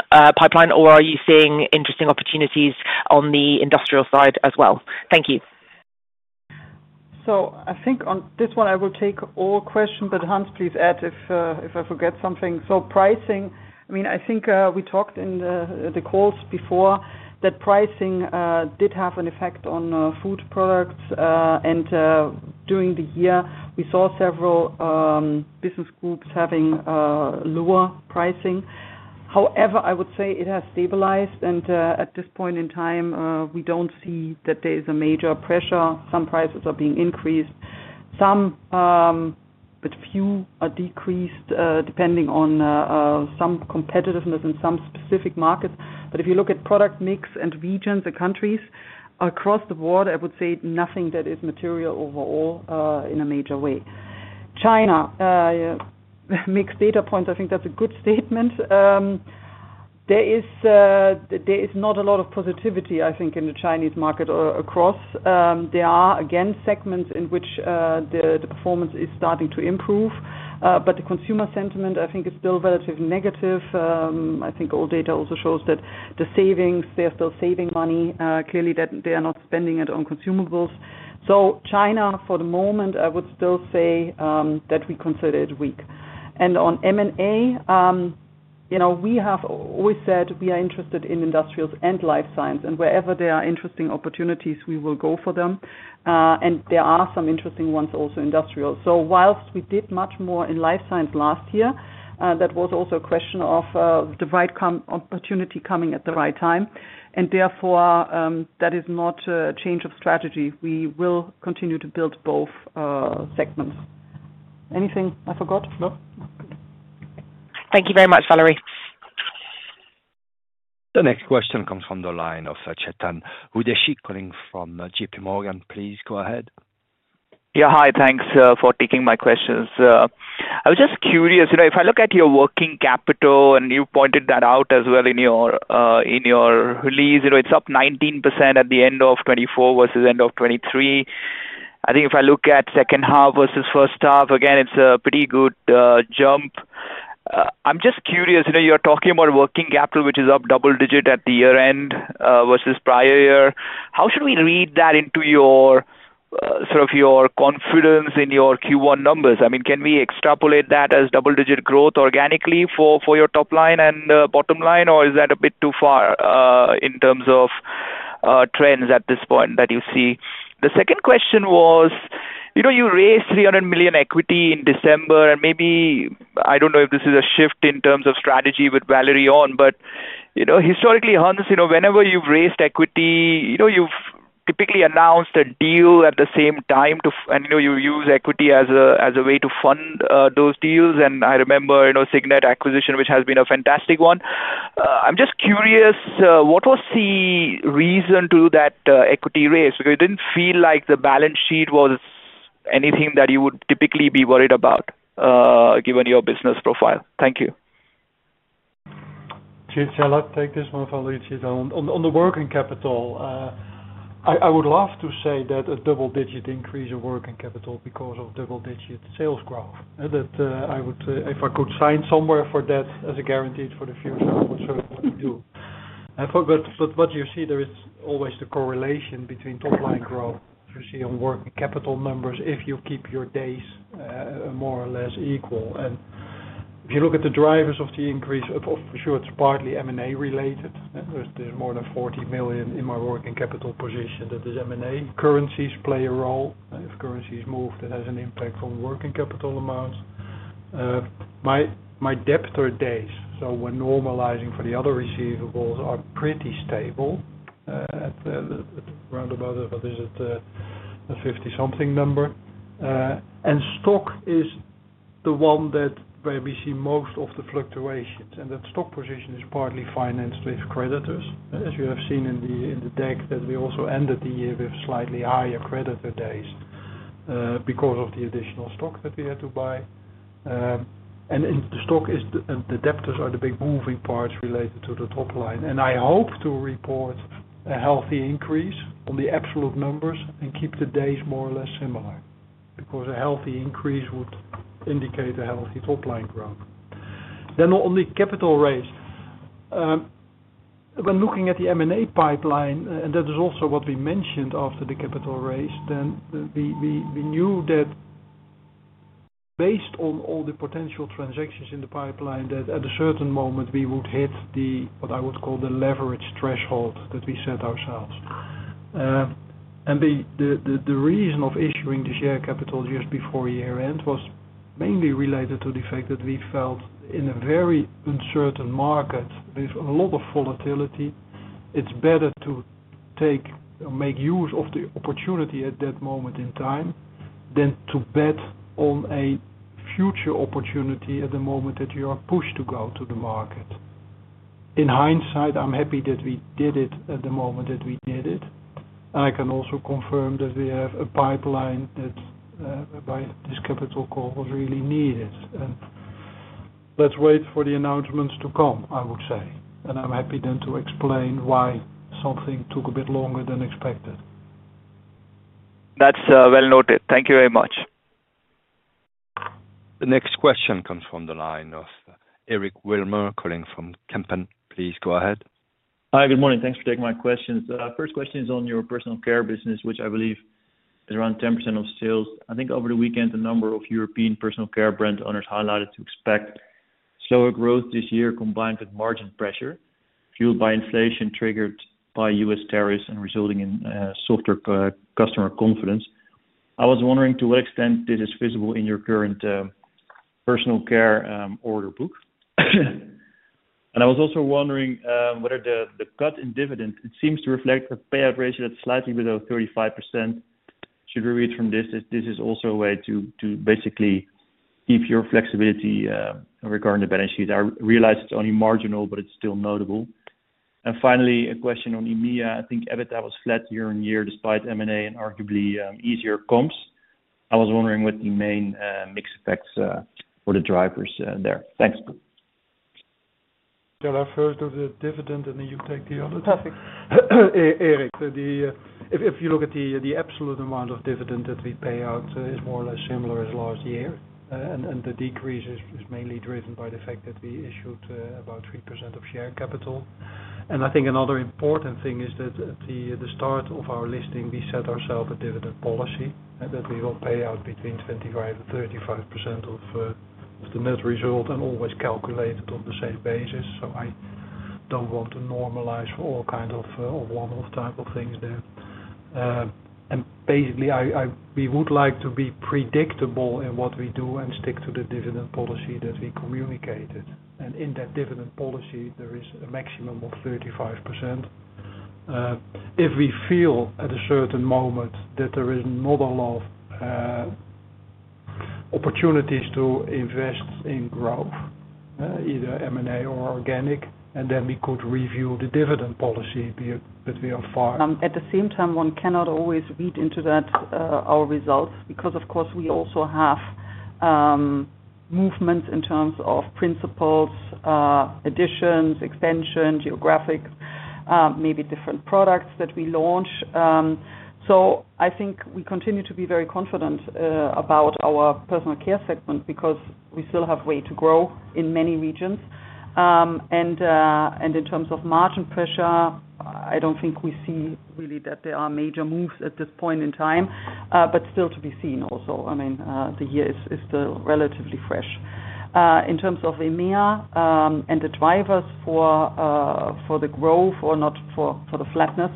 or are you seeing interesting opportunities on the industrial side as well? Thank you. I think on this one, I will take all questions, but Hans, please add if I forget something. Pricing, I mean, I think we talked in the calls before that pricing did have an effect on food products. And during the year, we saw several business groups having lower pricing. However, I would say it has stabilized, and at this point in time, we don't see that there is a major pressure. Some prices are being increased. Some, but few, are decreased depending on some competitiveness in some specific markets. But if you look at product mix and regions, the countries across the board, I would say nothing that is material overall in a major way. China, mixed data points. I think that's a good statement. There is not a lot of positivity, I think, in the Chinese market across. There are, again, segments in which the performance is starting to improve. But the consumer sentiment, I think, is still relatively negative. I think all data also shows that the savings, they're still saving money. Clearly, they are not spending it on consumables. So China, for the moment, I would still say that we consider it weak, and on M&A, we have always said we are interested in Industrials and Life Science. Wherever there are interesting opportunities, we will go for them. There are some interesting ones also industrial. So while we did much more in life science last year, that was also a question of the right opportunity coming at the right time. Therefore, that is not a change of strategy. We will continue to build both segments. Anything I forgot? No. Thank you very much, Valerie. The next question comes from the line of Chetan Udeshi, calling from JPMorgan. Please go ahead. Yeah. Hi, thanks for taking my questions. I was just curious. If I look at your working capital, and you pointed that out as well in your release, it's up 19% at the end of 2024 versus end of 2023. I think if I look at second half versus first half, again, it's a pretty good jump. I'm just curious. You're talking about working capital, which is up double-digit at the year-end versus prior year. How should we read that into sort of your confidence in your Q1 numbers? I mean, can we extrapolate that as double-digit growth organically for your top line and bottom line, or is that a bit too far in terms of trends at this point that you see? The second question was, you raised 300 million equity in December, and maybe I don't know if this is a shift in terms of strategy with Valerie on, but historically, Hans, whenever you've raised equity, you've typically announced a deal at the same time, and you use equity as a way to fund those deals. And I remember Signet acquisition, which has been a fantastic one. I'm just curious, what was the reason to do that equity raise? Because it didn't feel like the balance sheet was anything that you would typically be worried about, given your business profile. Thank you. Shall I take this one, Valerie? On the working capital, I would love to say that a double-digit increase in working capital because of double-digit sales growth. If I could sign somewhere for that as a guarantee for the future, I would certainly do. But what you see, there is always the correlation between top-line growth, as you see on working capital numbers, if you keep your days more or less equal. And if you look at the drivers of the increase, for sure, it's partly M&A related. There's more than 40 million in my working capital position that is M&A. Currencies play a role. If currencies move, that has an impact on working capital amounts. My debtor days, so we're normalizing for the other receivables, are pretty stable at around about, what is it, a 50-something number, and stock is the one where we see most of the fluctuations, and that stock position is partly financed with creditors, as you have seen in the deck that we also ended the year with slightly higher creditor days because of the additional stock that we had to buy, and the debtors are the big moving parts related to the top line, and I hope to report a healthy increase on the absolute numbers and keep the days more or less similar because a healthy increase would indicate a healthy top-line growth. Then, on the capital raise, when looking at the M&A pipeline, and that is also what we mentioned after the capital raise, then we knew that based on all the potential transactions in the pipeline, that at a certain moment, we would hit what I would call the leverage threshold that we set ourselves. And the reason of issuing the share capital just before year-end was mainly related to the fact that we felt, in a very uncertain market with a lot of volatility, it's better to make use of the opportunity at that moment in time than to bet on a future opportunity at the moment that you are pushed to go to the market. In hindsight, I'm happy that we did it at the moment that we did it. And I can also confirm that we have a pipeline that, by this capital call, was really needed. Let's wait for the announcements to come, I would say. I'm happy then to explain why something took a bit longer than expected. That's well noted. Thank you very much. The next question comes from the line of Eric Wilmer calling from Kempen. Please go ahead. Hi, good morning. Thanks for taking my questions. First question is on your personal care business, which I believe is around 10% of sales. I think over the weekend, a number of European personal care brand owners highlighted to expect slower growth this year combined with margin pressure fueled by inflation triggered by U.S. tariffs and resulting in softer customer confidence. I was wondering to what extent this is visible in your current personal care order book. I was also wondering whether the cut in dividend, it seems to reflect a payout ratio that's slightly below 35%. Should we read from this? This is also a way to basically keep your flexibility regarding the balance sheet. I realize it's only marginal, but it's still notable. And finally, a question on EMEA. I think EBITDA was flat year-on-year despite M&A and arguably easier comps. I was wondering what the main mixed effects for the drivers there. Thanks. Shall I first do the dividend, and then you take the other? Perfect. Eric, if you look at the absolute amount of dividend that we pay out, it's more or less similar as last year. And the decrease is mainly driven by the fact that we issued about 3% of share capital. I think another important thing is that at the start of our listing, we set ourselves a dividend policy that we will pay out between 25% and 35% of the net result and always calculate it on the same basis. I don't want to normalize for all kinds of one-off type of things there. Basically, we would like to be predictable in what we do and stick to the dividend policy that we communicated. In that dividend policy, there is a maximum of 35%. If we feel at a certain moment that there is not a lot of opportunities to invest in growth, either M&A or organic, and then we could review the dividend policy, but we are far. At the same time, one cannot always read into that our results because, of course, we also have movements in terms of principals, additions, expansion, geographies, maybe different products that we launch. So I think we continue to be very confident about our personal care segment because we still have ways to grow in many regions. And in terms of margin pressure, I don't think we see really that there are major moves at this point in time, but still to be seen also. I mean, the year is still relatively fresh. In terms of EMEA and the drivers for the growth or not for the flatness,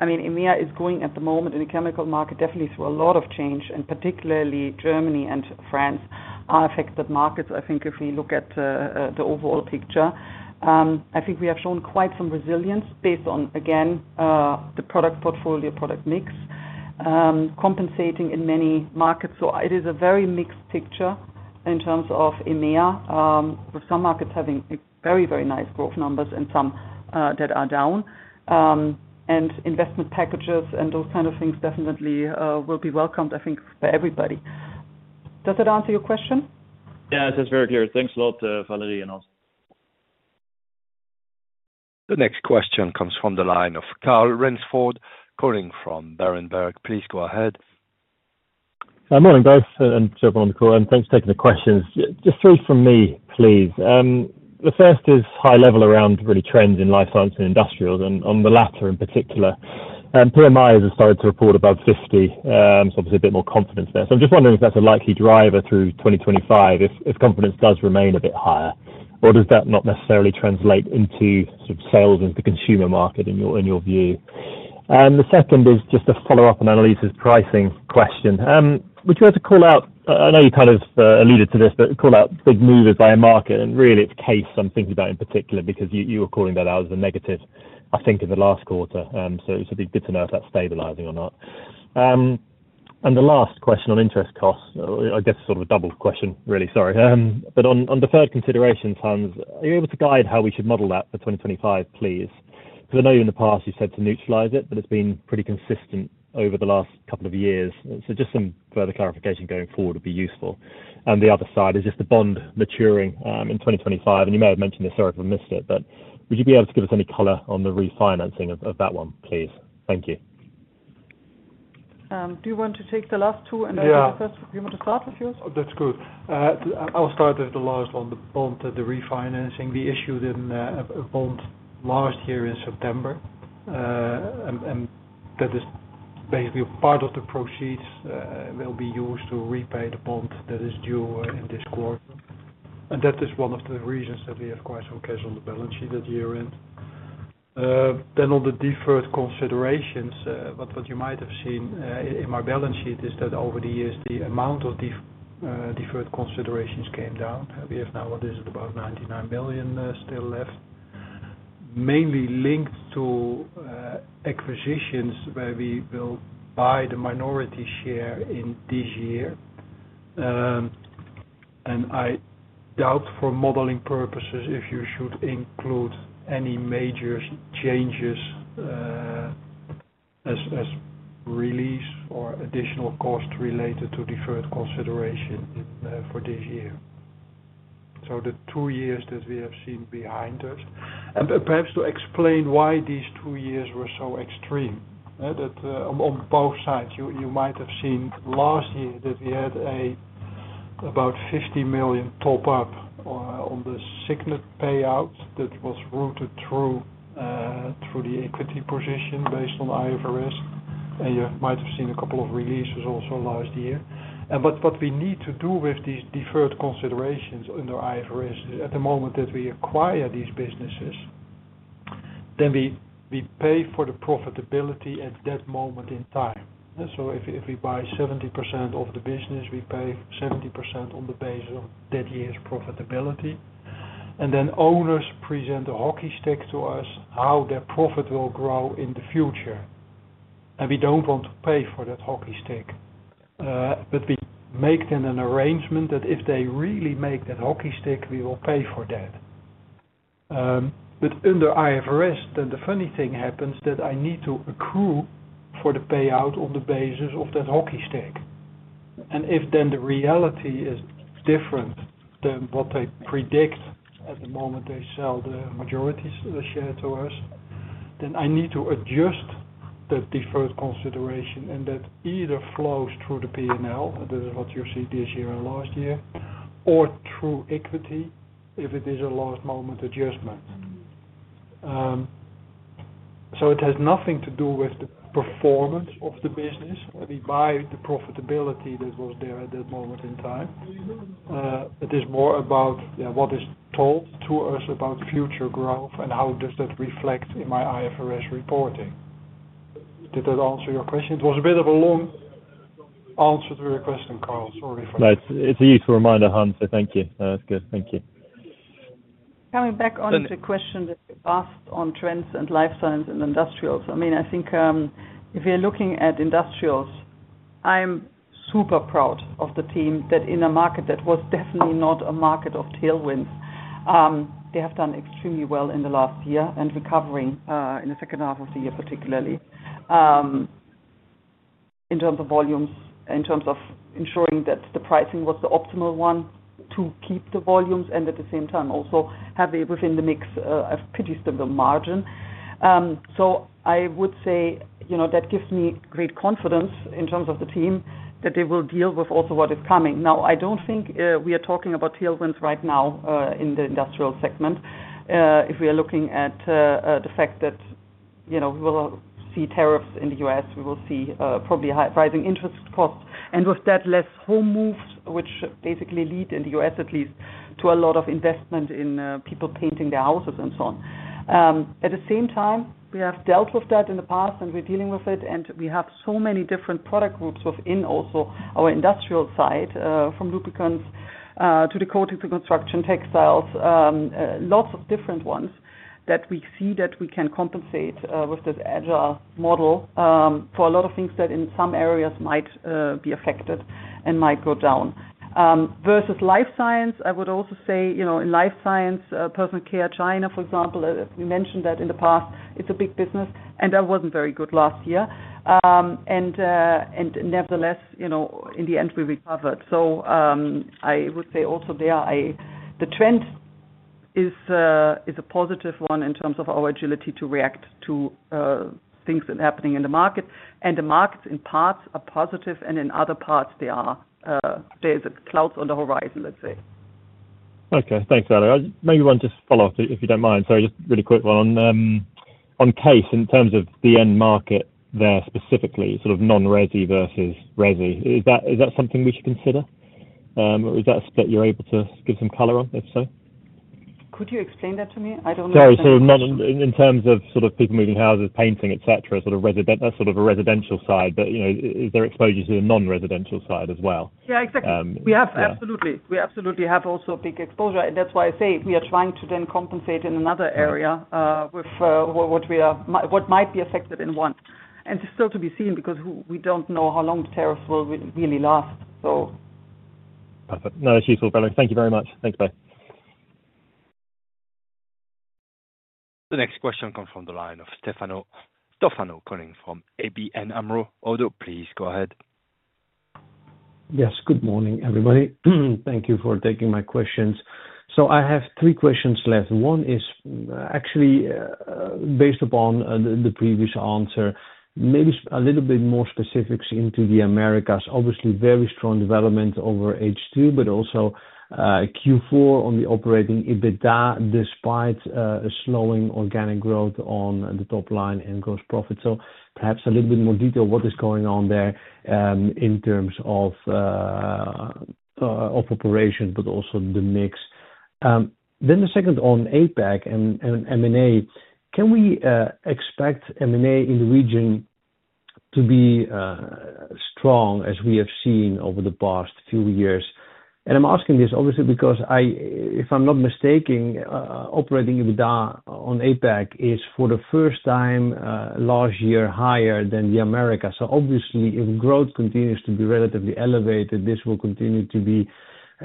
I mean, EMEA is going at the moment in the chemical market definitely through a lot of change, and particularly Germany and France are affected markets, I think, if we look at the overall picture. I think we have shown quite some resilience based on, again, the product portfolio, product mix, compensating in many markets. So it is a very mixed picture in terms of EMEA, with some markets having very, very nice growth numbers and some that are down. And investment packages and those kind of things definitely will be welcomed, I think, for everybody. Does that answer your question? Yes, that's very clear. Thanks a lot, Valerie and Hans. The next question comes from the line of Carl Raynsford calling from Berenberg. Please go ahead. Good morning, both and to everyone on the call. And thanks for taking the questions. Just three from me, please. The first is high level around really trends in life science and industrials, and on the latter in particular. PMI has decided to report above 50, so obviously a bit more confidence there. I'm just wondering if that's a likely driver through 2025 if confidence does remain a bit higher, or does that not necessarily translate into sort of sales into the consumer market in your view? And the second is just a follow-up on Annelies's pricing question. Would you like to call out, I know you kind of alluded to this, but call out big movers by market? And really, it's the CASE I'm thinking about in particular because you were calling that out as a negative, I think, in the last quarter. So it'd be good to know if that's stabilizing or not. And the last question on interest costs, I guess sort of a double question, really, sorry. But on the deferred consideration, Hans, are you able to guide how we should model that for 2025, please? Because I know in the past you've said to neutralize it, but it's been pretty consistent over the last couple of years. So just some further clarification going forward would be useful. And the other side is just the bond maturing in 2025. And you may have mentioned this or I've missed it, but would you be able to give us any color on the refinancing of that one, please? Thank you. Do you want to take the last two? And I'll ask the first. Do you want to start with yours? That's good. I'll start with the last one, the bond, the refinancing. We issued a bond last year in September, and that is basically part of the proceeds that will be used to repay the bond that is due in this quarter. That is one of the reasons that we have quite some cash on the balance sheet at year-end. On the deferred considerations, what you might have seen in my balance sheet is that over the years, the amount of deferred considerations came down. We have now, what is it, about 99 million still left, mainly linked to acquisitions where we will buy the minority share in this year. I doubt for modeling purposes if you should include any major changes as release or additional cost related to deferred consideration for this year. The two years that we have seen behind us, and perhaps to explain why these two years were so extreme, that on both sides, you might have seen last year that we had about 50 million top-up on the Signet payout that was routed through the equity position based on IFRS. You might have seen a couple of releases also last year. What we need to do with these deferred considerations under IFRS is, at the moment that we acquire these businesses, then we pay for the profitability at that moment in time. If we buy 70% of the business, we pay 70% on the basis of that year's profitability. Owners present a hockey stick to us, how their profit will grow in the future. We don't want to pay for that hockey stick. We make then an arrangement that if they really make that hockey stick, we will pay for that. Under IFRS, then the funny thing happens that I need to accrue for the payout on the basis of that hockey stick. If then the reality is different than what they predict at the moment they sell the majority share to us, then I need to adjust that deferred consideration and that either flows through the P&L, that is what you see this year and last year, or through equity if it is a last moment adjustment. It has nothing to do with the performance of the business when we buy the profitability that was there at that moment in time. It is more about what is told to us about future growth and how does that reflect in my IFRS reporting. Did that answer your question? It was a bit of a long answer to your question, Carl. Sorry for that. It's a useful reminder, Hans. Thank you. That's good. Thank you. Coming back on the question that you asked on trends in Life Science and Industrials. I mean, I think if you're looking at Industrials, I'm super proud of the team that in a market that was definitely not a market of tailwinds, they have done extremely well in the last year and recovering in the second half of the year, particularly in terms of volumes, in terms of ensuring that the pricing was the optimal one to keep the volumes and at the same time also have within the mix a pretty stable margin. So I would say that gives me great confidence in terms of the team that they will deal with also what is coming. Now, I don't think we are talking about tailwinds right now in the industrial segment. If we are looking at the fact that we will see tariffs in the U.S., we will see probably rising interest costs, and with that, less home moves, which basically lead in the U.S. at least to a lot of investment in people painting their houses and so on. At the same time, we have dealt with that in the past, and we're dealing with it. And we have so many different product groups within also our industrial side, from lubricants to coatings to construction textiles, lots of different ones that we see that we can compensate with this agile model for a lot of things that in some areas might be affected and might go down. Versus Life Science, I would also say in Life Science, personal care China, for example, we mentioned that in the past, it's a big business. And that wasn't very good last year. And nevertheless, in the end, we recovered. So I would say also there, the trend is a positive one in terms of our agility to react to things happening in the market. And the markets in parts are positive, and in other parts, there are clouds on the horizon, let's say. Okay. Thanks, Valerie. Maybe one just follow-up, if you don't mind. Sorry, just a really quick one on case in terms of the end market there specifically, sort of non-Resi versus Resi. Is that something we should consider? Or is that a split you're able to give some color on, if so? Could you explain that to me? I don't know. Sorry, so in terms of sort of people moving houses, painting, etc., sort of a residential side, but is there exposure to the non-residential side as well? Yeah, exactly. We absolutely have also a big exposure. And that's why I say we are trying to then compensate in another area with what might be affected in one. And it's still to be seen because we don't know how long the tariffs will really last, so. Perfect. No, that's useful, Valerie. Thank you very much. Thanks, bye. The next question comes from the line of Stefano Toffano from ABN AMRO-ODDO BHF. Please go ahead. Yes, good morning, everybody. Thank you for taking my questions. So I have three questions left. One is actually based upon the previous answer, maybe a little bit more specifics into the Americas. Obviously, very strong development over H2, but also Q4 on the operating EBITDA despite slowing organic growth on the top line and gross profit. So perhaps a little bit more detail what is going on there in terms of operations, but also the mix. Then the second on APAC and M&A. Can we expect M&A in the region to be strong as we have seen over the past few years? And I'm asking this, obviously, because if I'm not mistaken, operating EBITDA on APAC is for the first time last year higher than the Americas. So obviously, if growth continues to be relatively elevated, this will continue to be,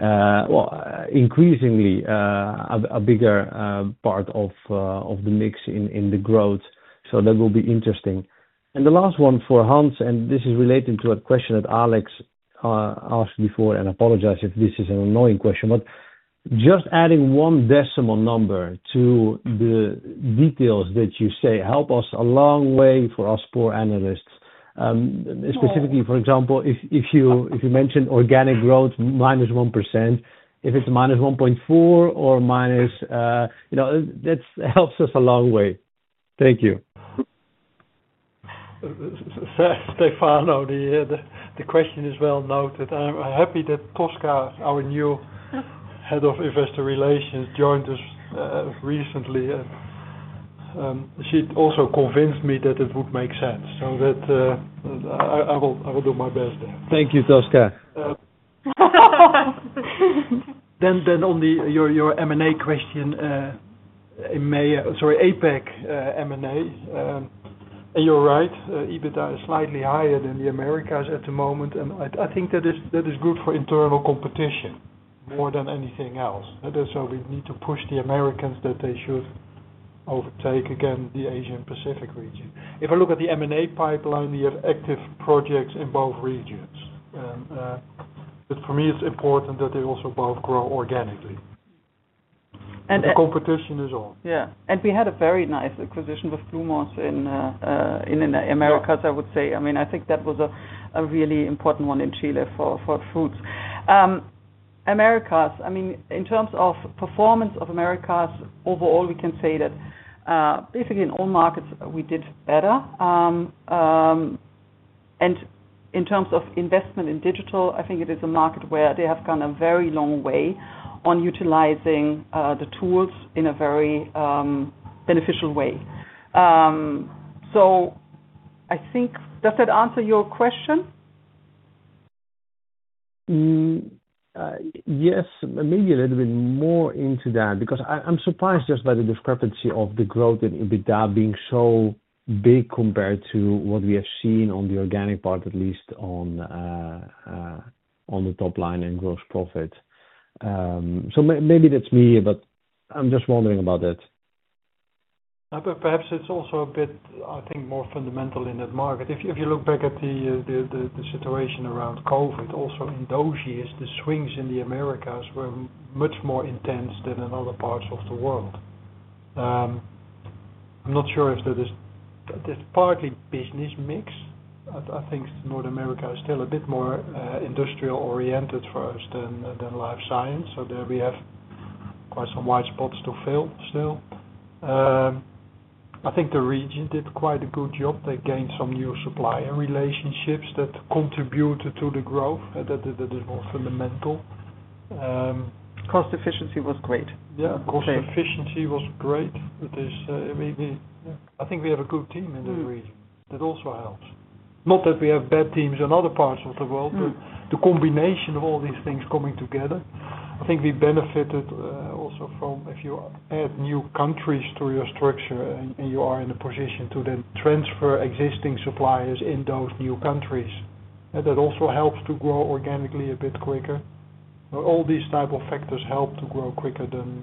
well, increasingly a bigger part of the mix in the growth. So that will be interesting. And the last one for Hans, and this is related to a question that Alex asked before, and I apologize if this is an annoying question, but just adding one decimal number to the details that you say helps us a long way for us poor analysts. Specifically, for example, if you mention organic growth minus 1%, if it's minus 1.4 or minus, that helps us a long way. Thank you. Stefano, the question is well noted. I'm happy that Tosca, our new head of investor relations, joined us recently. She also convinced me that it would make sense. So I will do my best there. Thank you, Tosca. Then on your M&A question, sorry, APAC M&A, and you're right, EBITDA is slightly higher than the Americas at the moment. And I think that is good for internal competition more than anything else. So we need to push the Americans that they should overtake again the Asia and Pacific region. If I look at the M&A pipeline, we have active projects in both regions. But for me, it's important that they also both grow organically. And competition is on. Yeah. And we had a very nice acquisition with Blumos in the Americas, I would say. I mean, I think that was a really iportant one in Chile for fruits. Americas, I mean, in terms of performance of Americas, overall, we can say that basically in all markets, we did better, and in terms of investment in digital, I think it is a market where they have gone a very long way on utilizing the tools in a very beneficial way. So I think, does that answer your question? Yes, maybe a little bit more into that because I'm surprised just by the discrepancy of the growth in EBITDA being so big compared to what we have seen on the organic part, at least on the top line and gross profit, so maybe that's me, but I'm just wondering about that. Perhaps it's also a bit, I think, more fundamental in that market. If you look back at the situation around COVID, also in those years, the swings in the Americas were much more intense than in other parts of the world. I'm not sure if that is partly business mix. I think North America is still a bit more industrial-oriented first than Life Science. So there we have quite some white spots to fill still. I think the region did quite a good job. They gained some new supplier relationships that contributed to the growth that is more fundamental. Cost efficiency was great. Yeah, cost efficiency was great. I think we have a good team in that region. That also helps. Not that we have bad teams in other parts of the world, but the combination of all these things coming together, I think we benefited also from if you add new countries to your structure and you are in a position to then transfer existing suppliers in those new countries. That also helps to grow organically a bit quicker. All these type of factors help to grow quicker than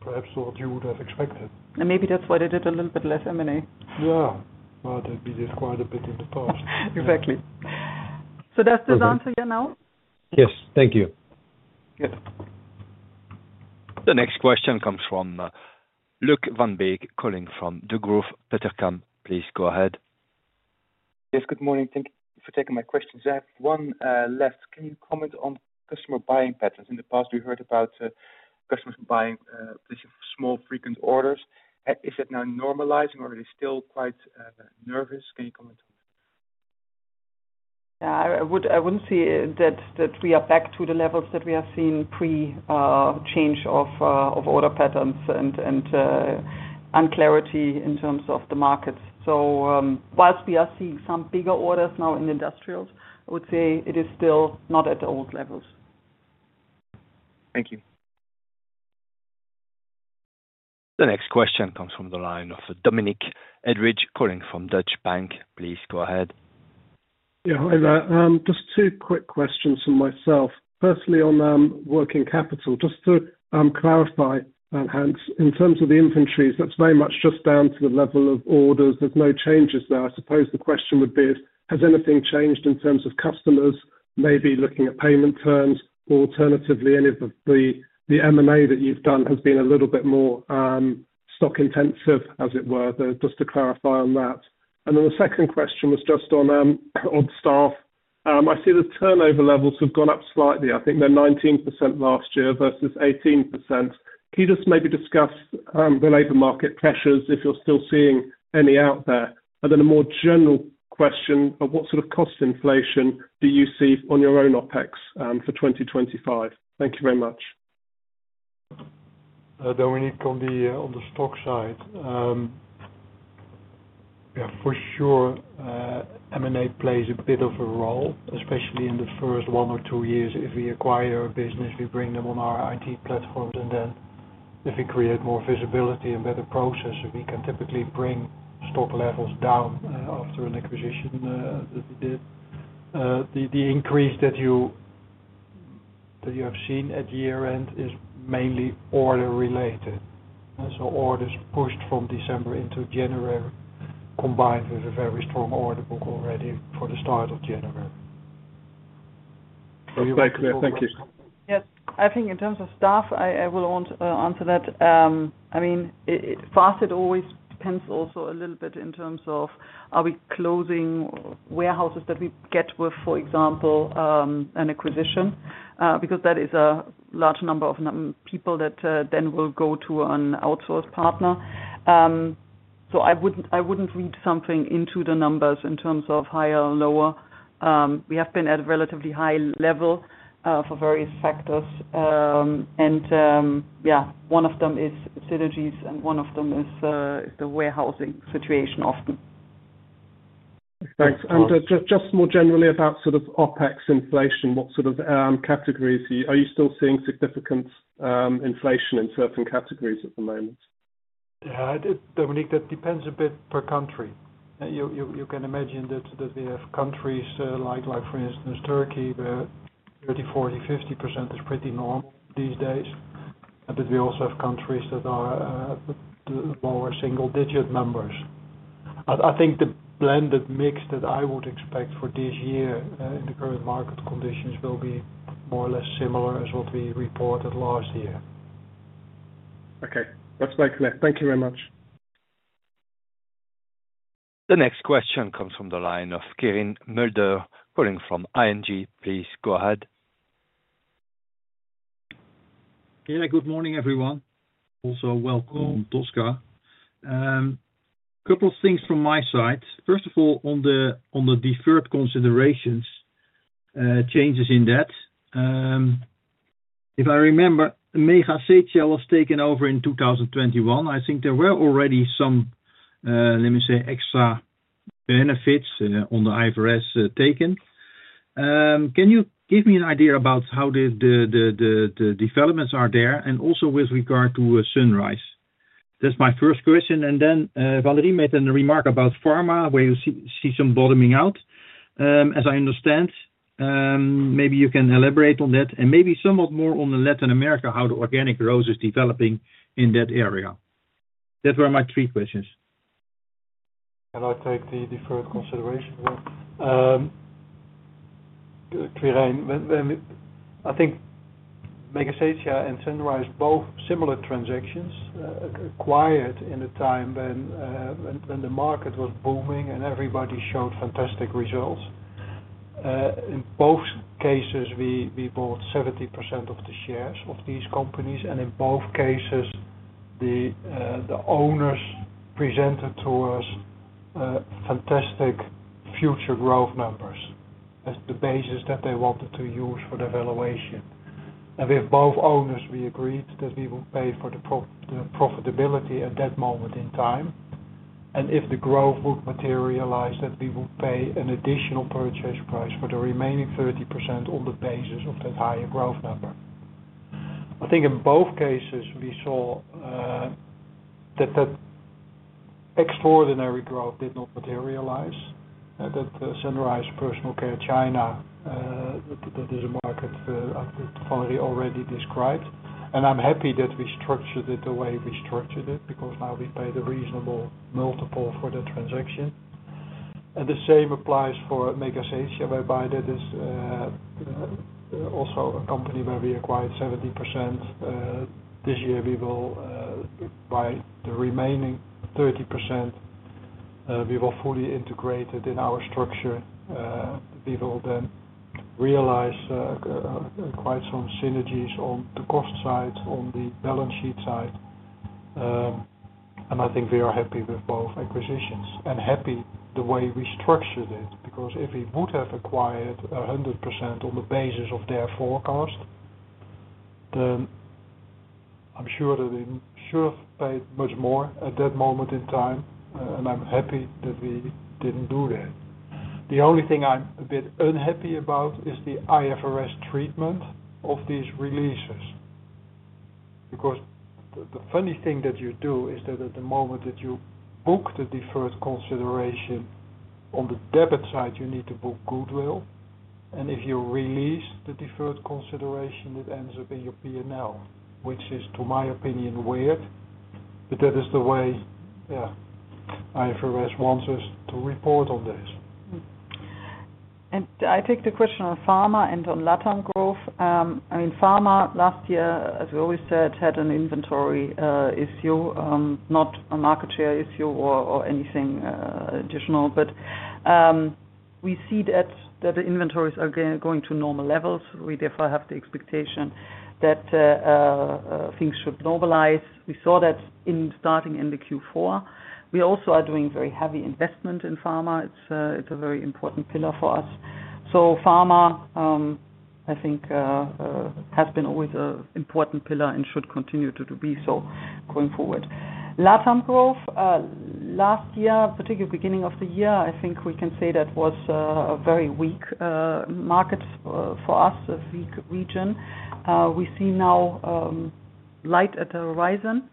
perhaps what you would have expected. And maybe that's why they did a little bit less M&A. Yeah. Well, they did quite a bit in the past. Exactly. So does this answer you now? Yes. Thank you. Good. The next question comes from Luuk Van Beek calling from Degroof Petercam. Please go ahead. Yes, good morning. Thank you for taking my questions. I have one left. Can you comment on customer buying patterns? In the past, we heard about customers buying small frequent orders. Is that now normalizing, or are they still quite nervous? Can you comment on that? Yeah, I wouldn't say that we are back to the levels that we have seen pre-change of order patterns and unclarity in terms of the markets. Io whilst we are seeing some bigger orders now in Industrials, I would say it is still not at the old levels. Thank you. The next question comes from the line of Dominic Edridge calling from Deutsche Bank. Please go ahead. Yeah, hi there. Just two quick questions for myself. Firstly, on working capital, just to clarify, Hans, in terms of the inventories, that's very much just down to the level of orders. There's no changes there. I suppose the question would be, has anything changed in terms of customers, maybe looking at payment terms, or alternatively, any of the M&A that you've done has been a little bit more stock intensive, as it were? Just to clarify on that. And then the second question was just on staff. I see the turnover levels have gone up slightly. I think they're 19% last year versus 18%. Can you just maybe discuss the labor market pressures if you're still seeing any out there? And then a more general question, what sort of cost inflation do you see on your own Opex for 2025? Thank you very much. Dominic on the stock side. Yeah, for sure, M&A plays a bit of a role, especially in the first one or two years. If we acquire a business, we bring them on our IT platforms, and then if we create more visibility and better processes, we can typically bring stock levels down after an acquisition that we did. The increase that you have seen at year-end is mainly order-related, so orders pushed from December into January, combined with a very strong order book already for the start of January. Thank you. Yes. I think in terms of staff, I will answer that. I mean, first, it always depends also a little bit in terms of are we closing warehouses that we get with, for example, an acquisition, because that is a large number of people that then will go to an outsourced partner. So I wouldn't read something into the numbers in terms of higher or lower. We have been at a relatively high level for various factors. Yeiah, one of them is synergies, and one of them is the warehousing situation often. Thanks. And just more generally about sort of Opex inflation, what sort of categories are you still seeing significant inflation in certain categories at the moment? Yeah, Dominic, that depends a bit per country. You can imagine that we have countries like, for instance, Turkey, where 30%, 40%, 50% is pretty normal these days. But we also have countries that are lower single-digit numbers. I think the blended mix that I would expect for this year in the current market conditions will be more or less similar as what we reported last year. Okay. That's clear. Thank you very much. The next question comes from the line of Quirijn Mulder calling from ING. Please go ahead. Quirijn. Good morning, everyone. Also welcome, Tosca. A couple of things from my side. First of all, on the deferred considerations, changes in debt. If I remember, Megasetia was taken over in 2021. I think there were already some, let me say, extra benefits on the IFRS taken. Can you give me an idea about how the developments are there? And also with regard to Sanrise. That's my first question. And then Valerie made a remark about pharma, where you see some bottoming out, as I understand. Maybe you can elaborate on that. And maybe somewhat more on Latin America, how the organic growth is developing in that area. That were my three questions. Can I take the deferred consideration? Quirijn, I think Megasetia and Sanrise are both similar transactions acquired in a time when the market was booming and everybody showed fantastic results. In both cases, we bought 70% of the shares of these companies. And in both cases, the owners presented to us fantastic future growth numbers as the basis that they wanted to use for the valuation. And with both owners, we agreed that we would pay for the profitability at that moment in time. And if the growth would materialize, that we would pay an additional purchase price for the remaining 30% on the basis of that higher growth number. I think in both cases, we saw that that extraordinary growth did not materialize. That Sanrise Personal Care China, that is a market Valerie already described. And I'm happy that we structured it the way we structured it because now we pay the reasonable multiple for the transaction. And the same applies for Megasetia, whereby that is also a company where we acquired 70%. This year, we will buy the remaining 30%. We will fully integrate it in our structure. We will then realize quite some synergies on the cost side, on the balance sheet side, and I think we are happy with both acquisitions and happy the way we structured it because if we would have acquired 100% on the basis of their forecast, then I'm sure that we should have paid much more at that moment in time, and I'm happy that we didn't do that. The only thing I'm a bit unhappy about is the IFRS treatment of these releases, because the funny thing that you do is that at the moment that you book the deferred consideration, on the debit side, you need to book goodwill, and if you release the deferred consideration, it ends up in your P&L, which is, to my opinion, weird, but that is the way, yeah, IFRS wants us to report on this. I take the question on pharma and on Latin growth. I mean, pharma last year, as we always said, had an inventory issue, not a market share issue or anything additional. We see that the inventories are going to normal levels. We therefore have the expectation that things should normalize. We saw that starting in the Q4. We also are doing very heavy investment in pharma. It's a very important pillar for us. Pharma, I think, has been always an important pillar and should continue to be so going forward. Latin growth, last year, particularly beginning of the year, I think we can say that was a very weak market for us, a weak region. We see now light at the horizon.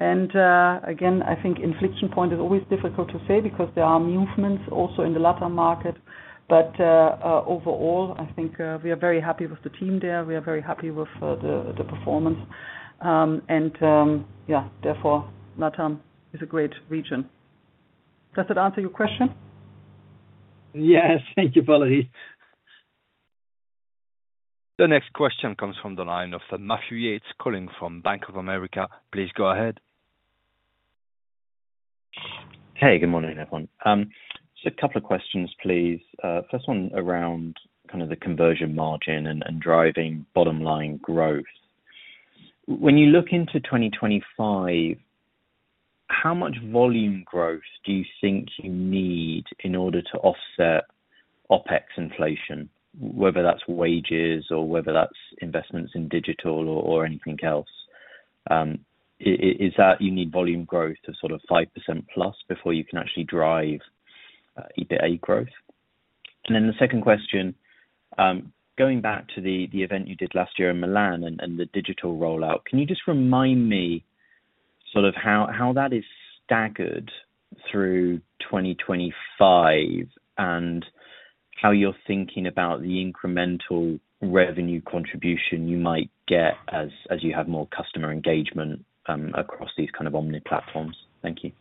Again, I think inflection point is always difficult to say because there are movements also in the Latin market. But overall, I think we are very happy with the team there. We are very happy with the performance. And yeah, therefore, Latin is a great region. Does that answer your question? Yes. Thank you, Valerie. The next question comes from the line of Matthew Yates calling from Bank of America. Please go ahead. Hey, good morning, everyone. Just a couple of questions, please. First one around kind of the conversion margin and driving bottom line growth. When you look into 2025, how much volume growth do you think you need in order to offset Opex inflation, whether that's wages or whether that's investments in digital or anything else? Is that you need volume growth of sort of 5% plus before you can actually drive EBITDA growth? Then the second question, going back to the event you did last year in Milan and the digital rollout, can you just remind me sort of how that is staggered through 2025 and how you're thinking about the incremental revenue contribution you might get as you have more customer engagement across these kind of omni-platforms? Thank you.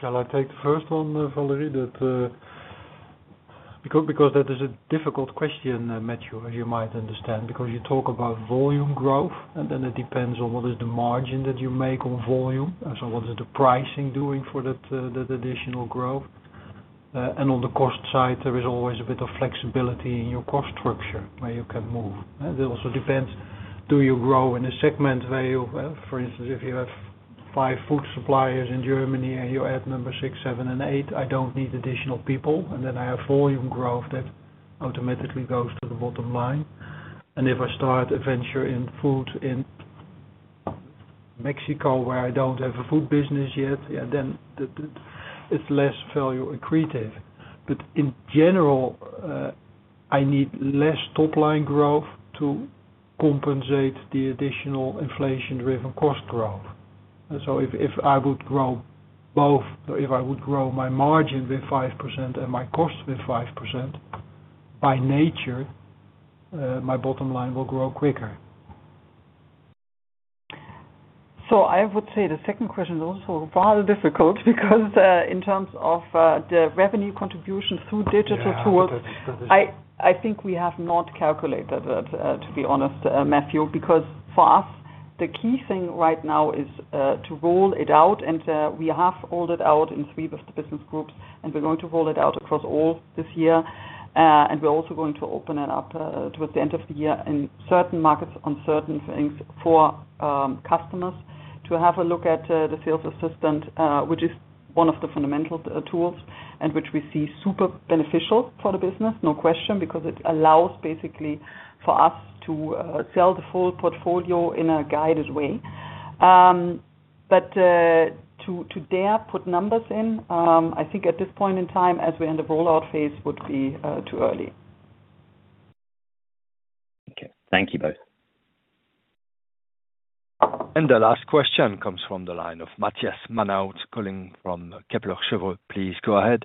Shall I take the first one, Valerie? Because that is a difficult question, Matthew, as you might understand, because you talk about volume growth, and then it depends on what is the margin that you make on volume. So what is the pricing doing for that additional growth? And on the cost side, there is always a bit of flexibility in your cost structure where you can move. It also depends. Do you grow in a segment where you, for instance, if you have five food suppliers in Germany and you add number six, seven, and eight, I don't need additional people, and then I have volume growth that automatically goes to the bottom line, and if I start a venture in food in Mexico where I don't have a food business yet, then it's less value accretive, but in general, I need less top-line growth to compensate the additional inflation-driven cost growth, so if I would grow both, if I would grow my margin with 5% and my cost with 5%, by nature, my bottom line will grow quicker. So I would say the second question is also rather difficult because in terms of the revenue contribution through digital tools, I think we have not calculated it, to be honest, Matthew, because for us, the key thing right now is to roll it out. And we have rolled it out in three of the business groups, and we're going to roll it out across all this year. And we're also going to open it up towards the end of the year in certain markets, on certain things for customers to have a look at the sales assistant, which is one of the fundamental tools and which we see super beneficial for the business, no question, because it allows basically for us to sell the full portfolio in a guided way. But to dare put numbers in, I think at this point in time, as we're in the rollout phase, would be too early. Okay. Thank you both. And the last question comes from the line of Matthias Maenhaut calling from Kepler Cheuvreux. Please go ahead.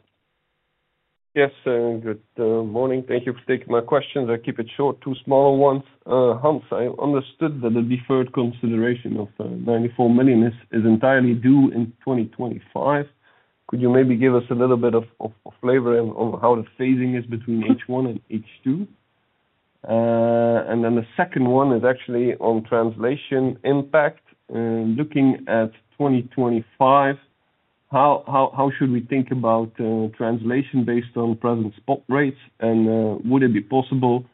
Yes. Good morning. Thank you for taking my questions. I'll keep it short, two smaller ones. Hans, I understood that the deferred consideration of 94 million is entirely due in 2025. Could you maybe give us a little bit of flavor on how the phasing is between H1 and H2? And then the second one is actually on translation impact. Looking at 2025, how should we think about translation based on present spot rates? Would it be possible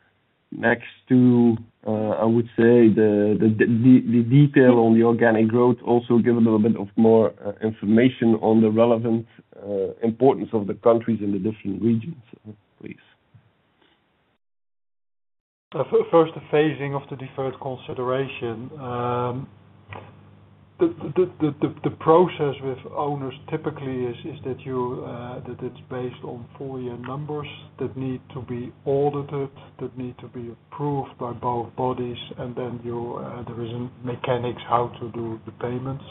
next to, I would say, the detail on the organic growth, also give a little bit of more information on the relevant importance of the countries in the different regions, please? First, the phasing of the deferred consideration. The process with owners typically is that it's based on four-year numbers that need to be audited, that need to be approved by both bodies. Then there is a mechanics how to do the payments.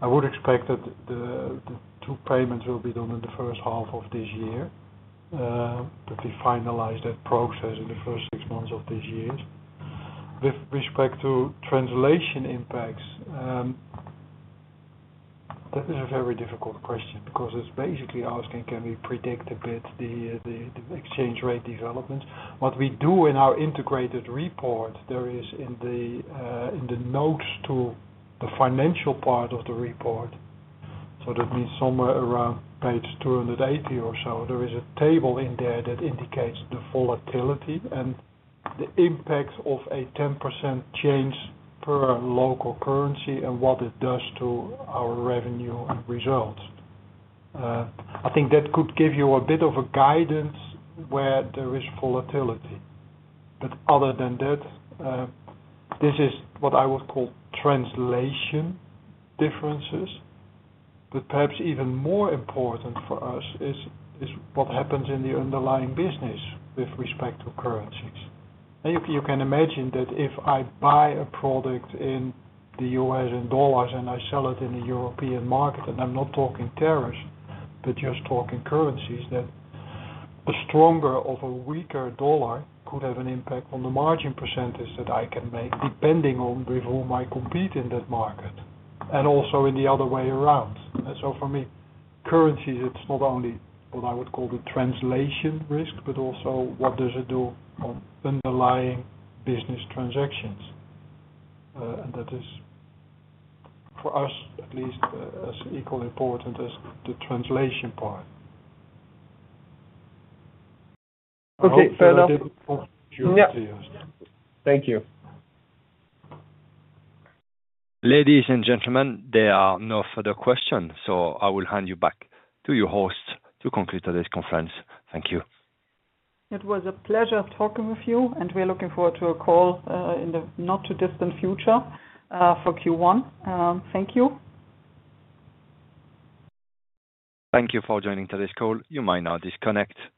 I would expect that the two payments will be done in the first half of this year, that we finalize that process in the first six months of this year. With respect to translation impacts, that is a very difficult question because it's basically asking, can we predict a bit the exchange rate developments? What we do in our integrated report, there is in the notes to the financial part of the report. So that means somewhere around page 280 or so, there is a table in there that indicates the volatility and the impact of a 10% change per local currency and what it does to our revenue and results. I think that could give you a bit of a guidance where there is volatility. But other than that, this is what I would call translation differences. But perhaps even more important for us is what happens in the underlying business with respect to currencies. And you can imagine that if I buy a product in the U.S. in dollars and I sell it in the European market, and I'm not talking tariffs, but just talking currencies, that a stronger or a weaker dollar could have an impact on the margin percentage that I can make depending on with whom I compete in that market. And also in the other way around. So for me, currencies, it's not only what I would call the translation risk, but also what does it do on underlying business transactions. And that is, for us at least, as equally important as the translation part. Okay. Fair enough. Thank you. Ladies and gentlemen, there are no further questions. So I will hand you back to your hosts to conclude today's conference. Thank you. It was a pleasure talking with you. We're looking forward to a call in the not-too-distant future for Q1. Thank you. Thank you for joining today's call. You may now disconnect.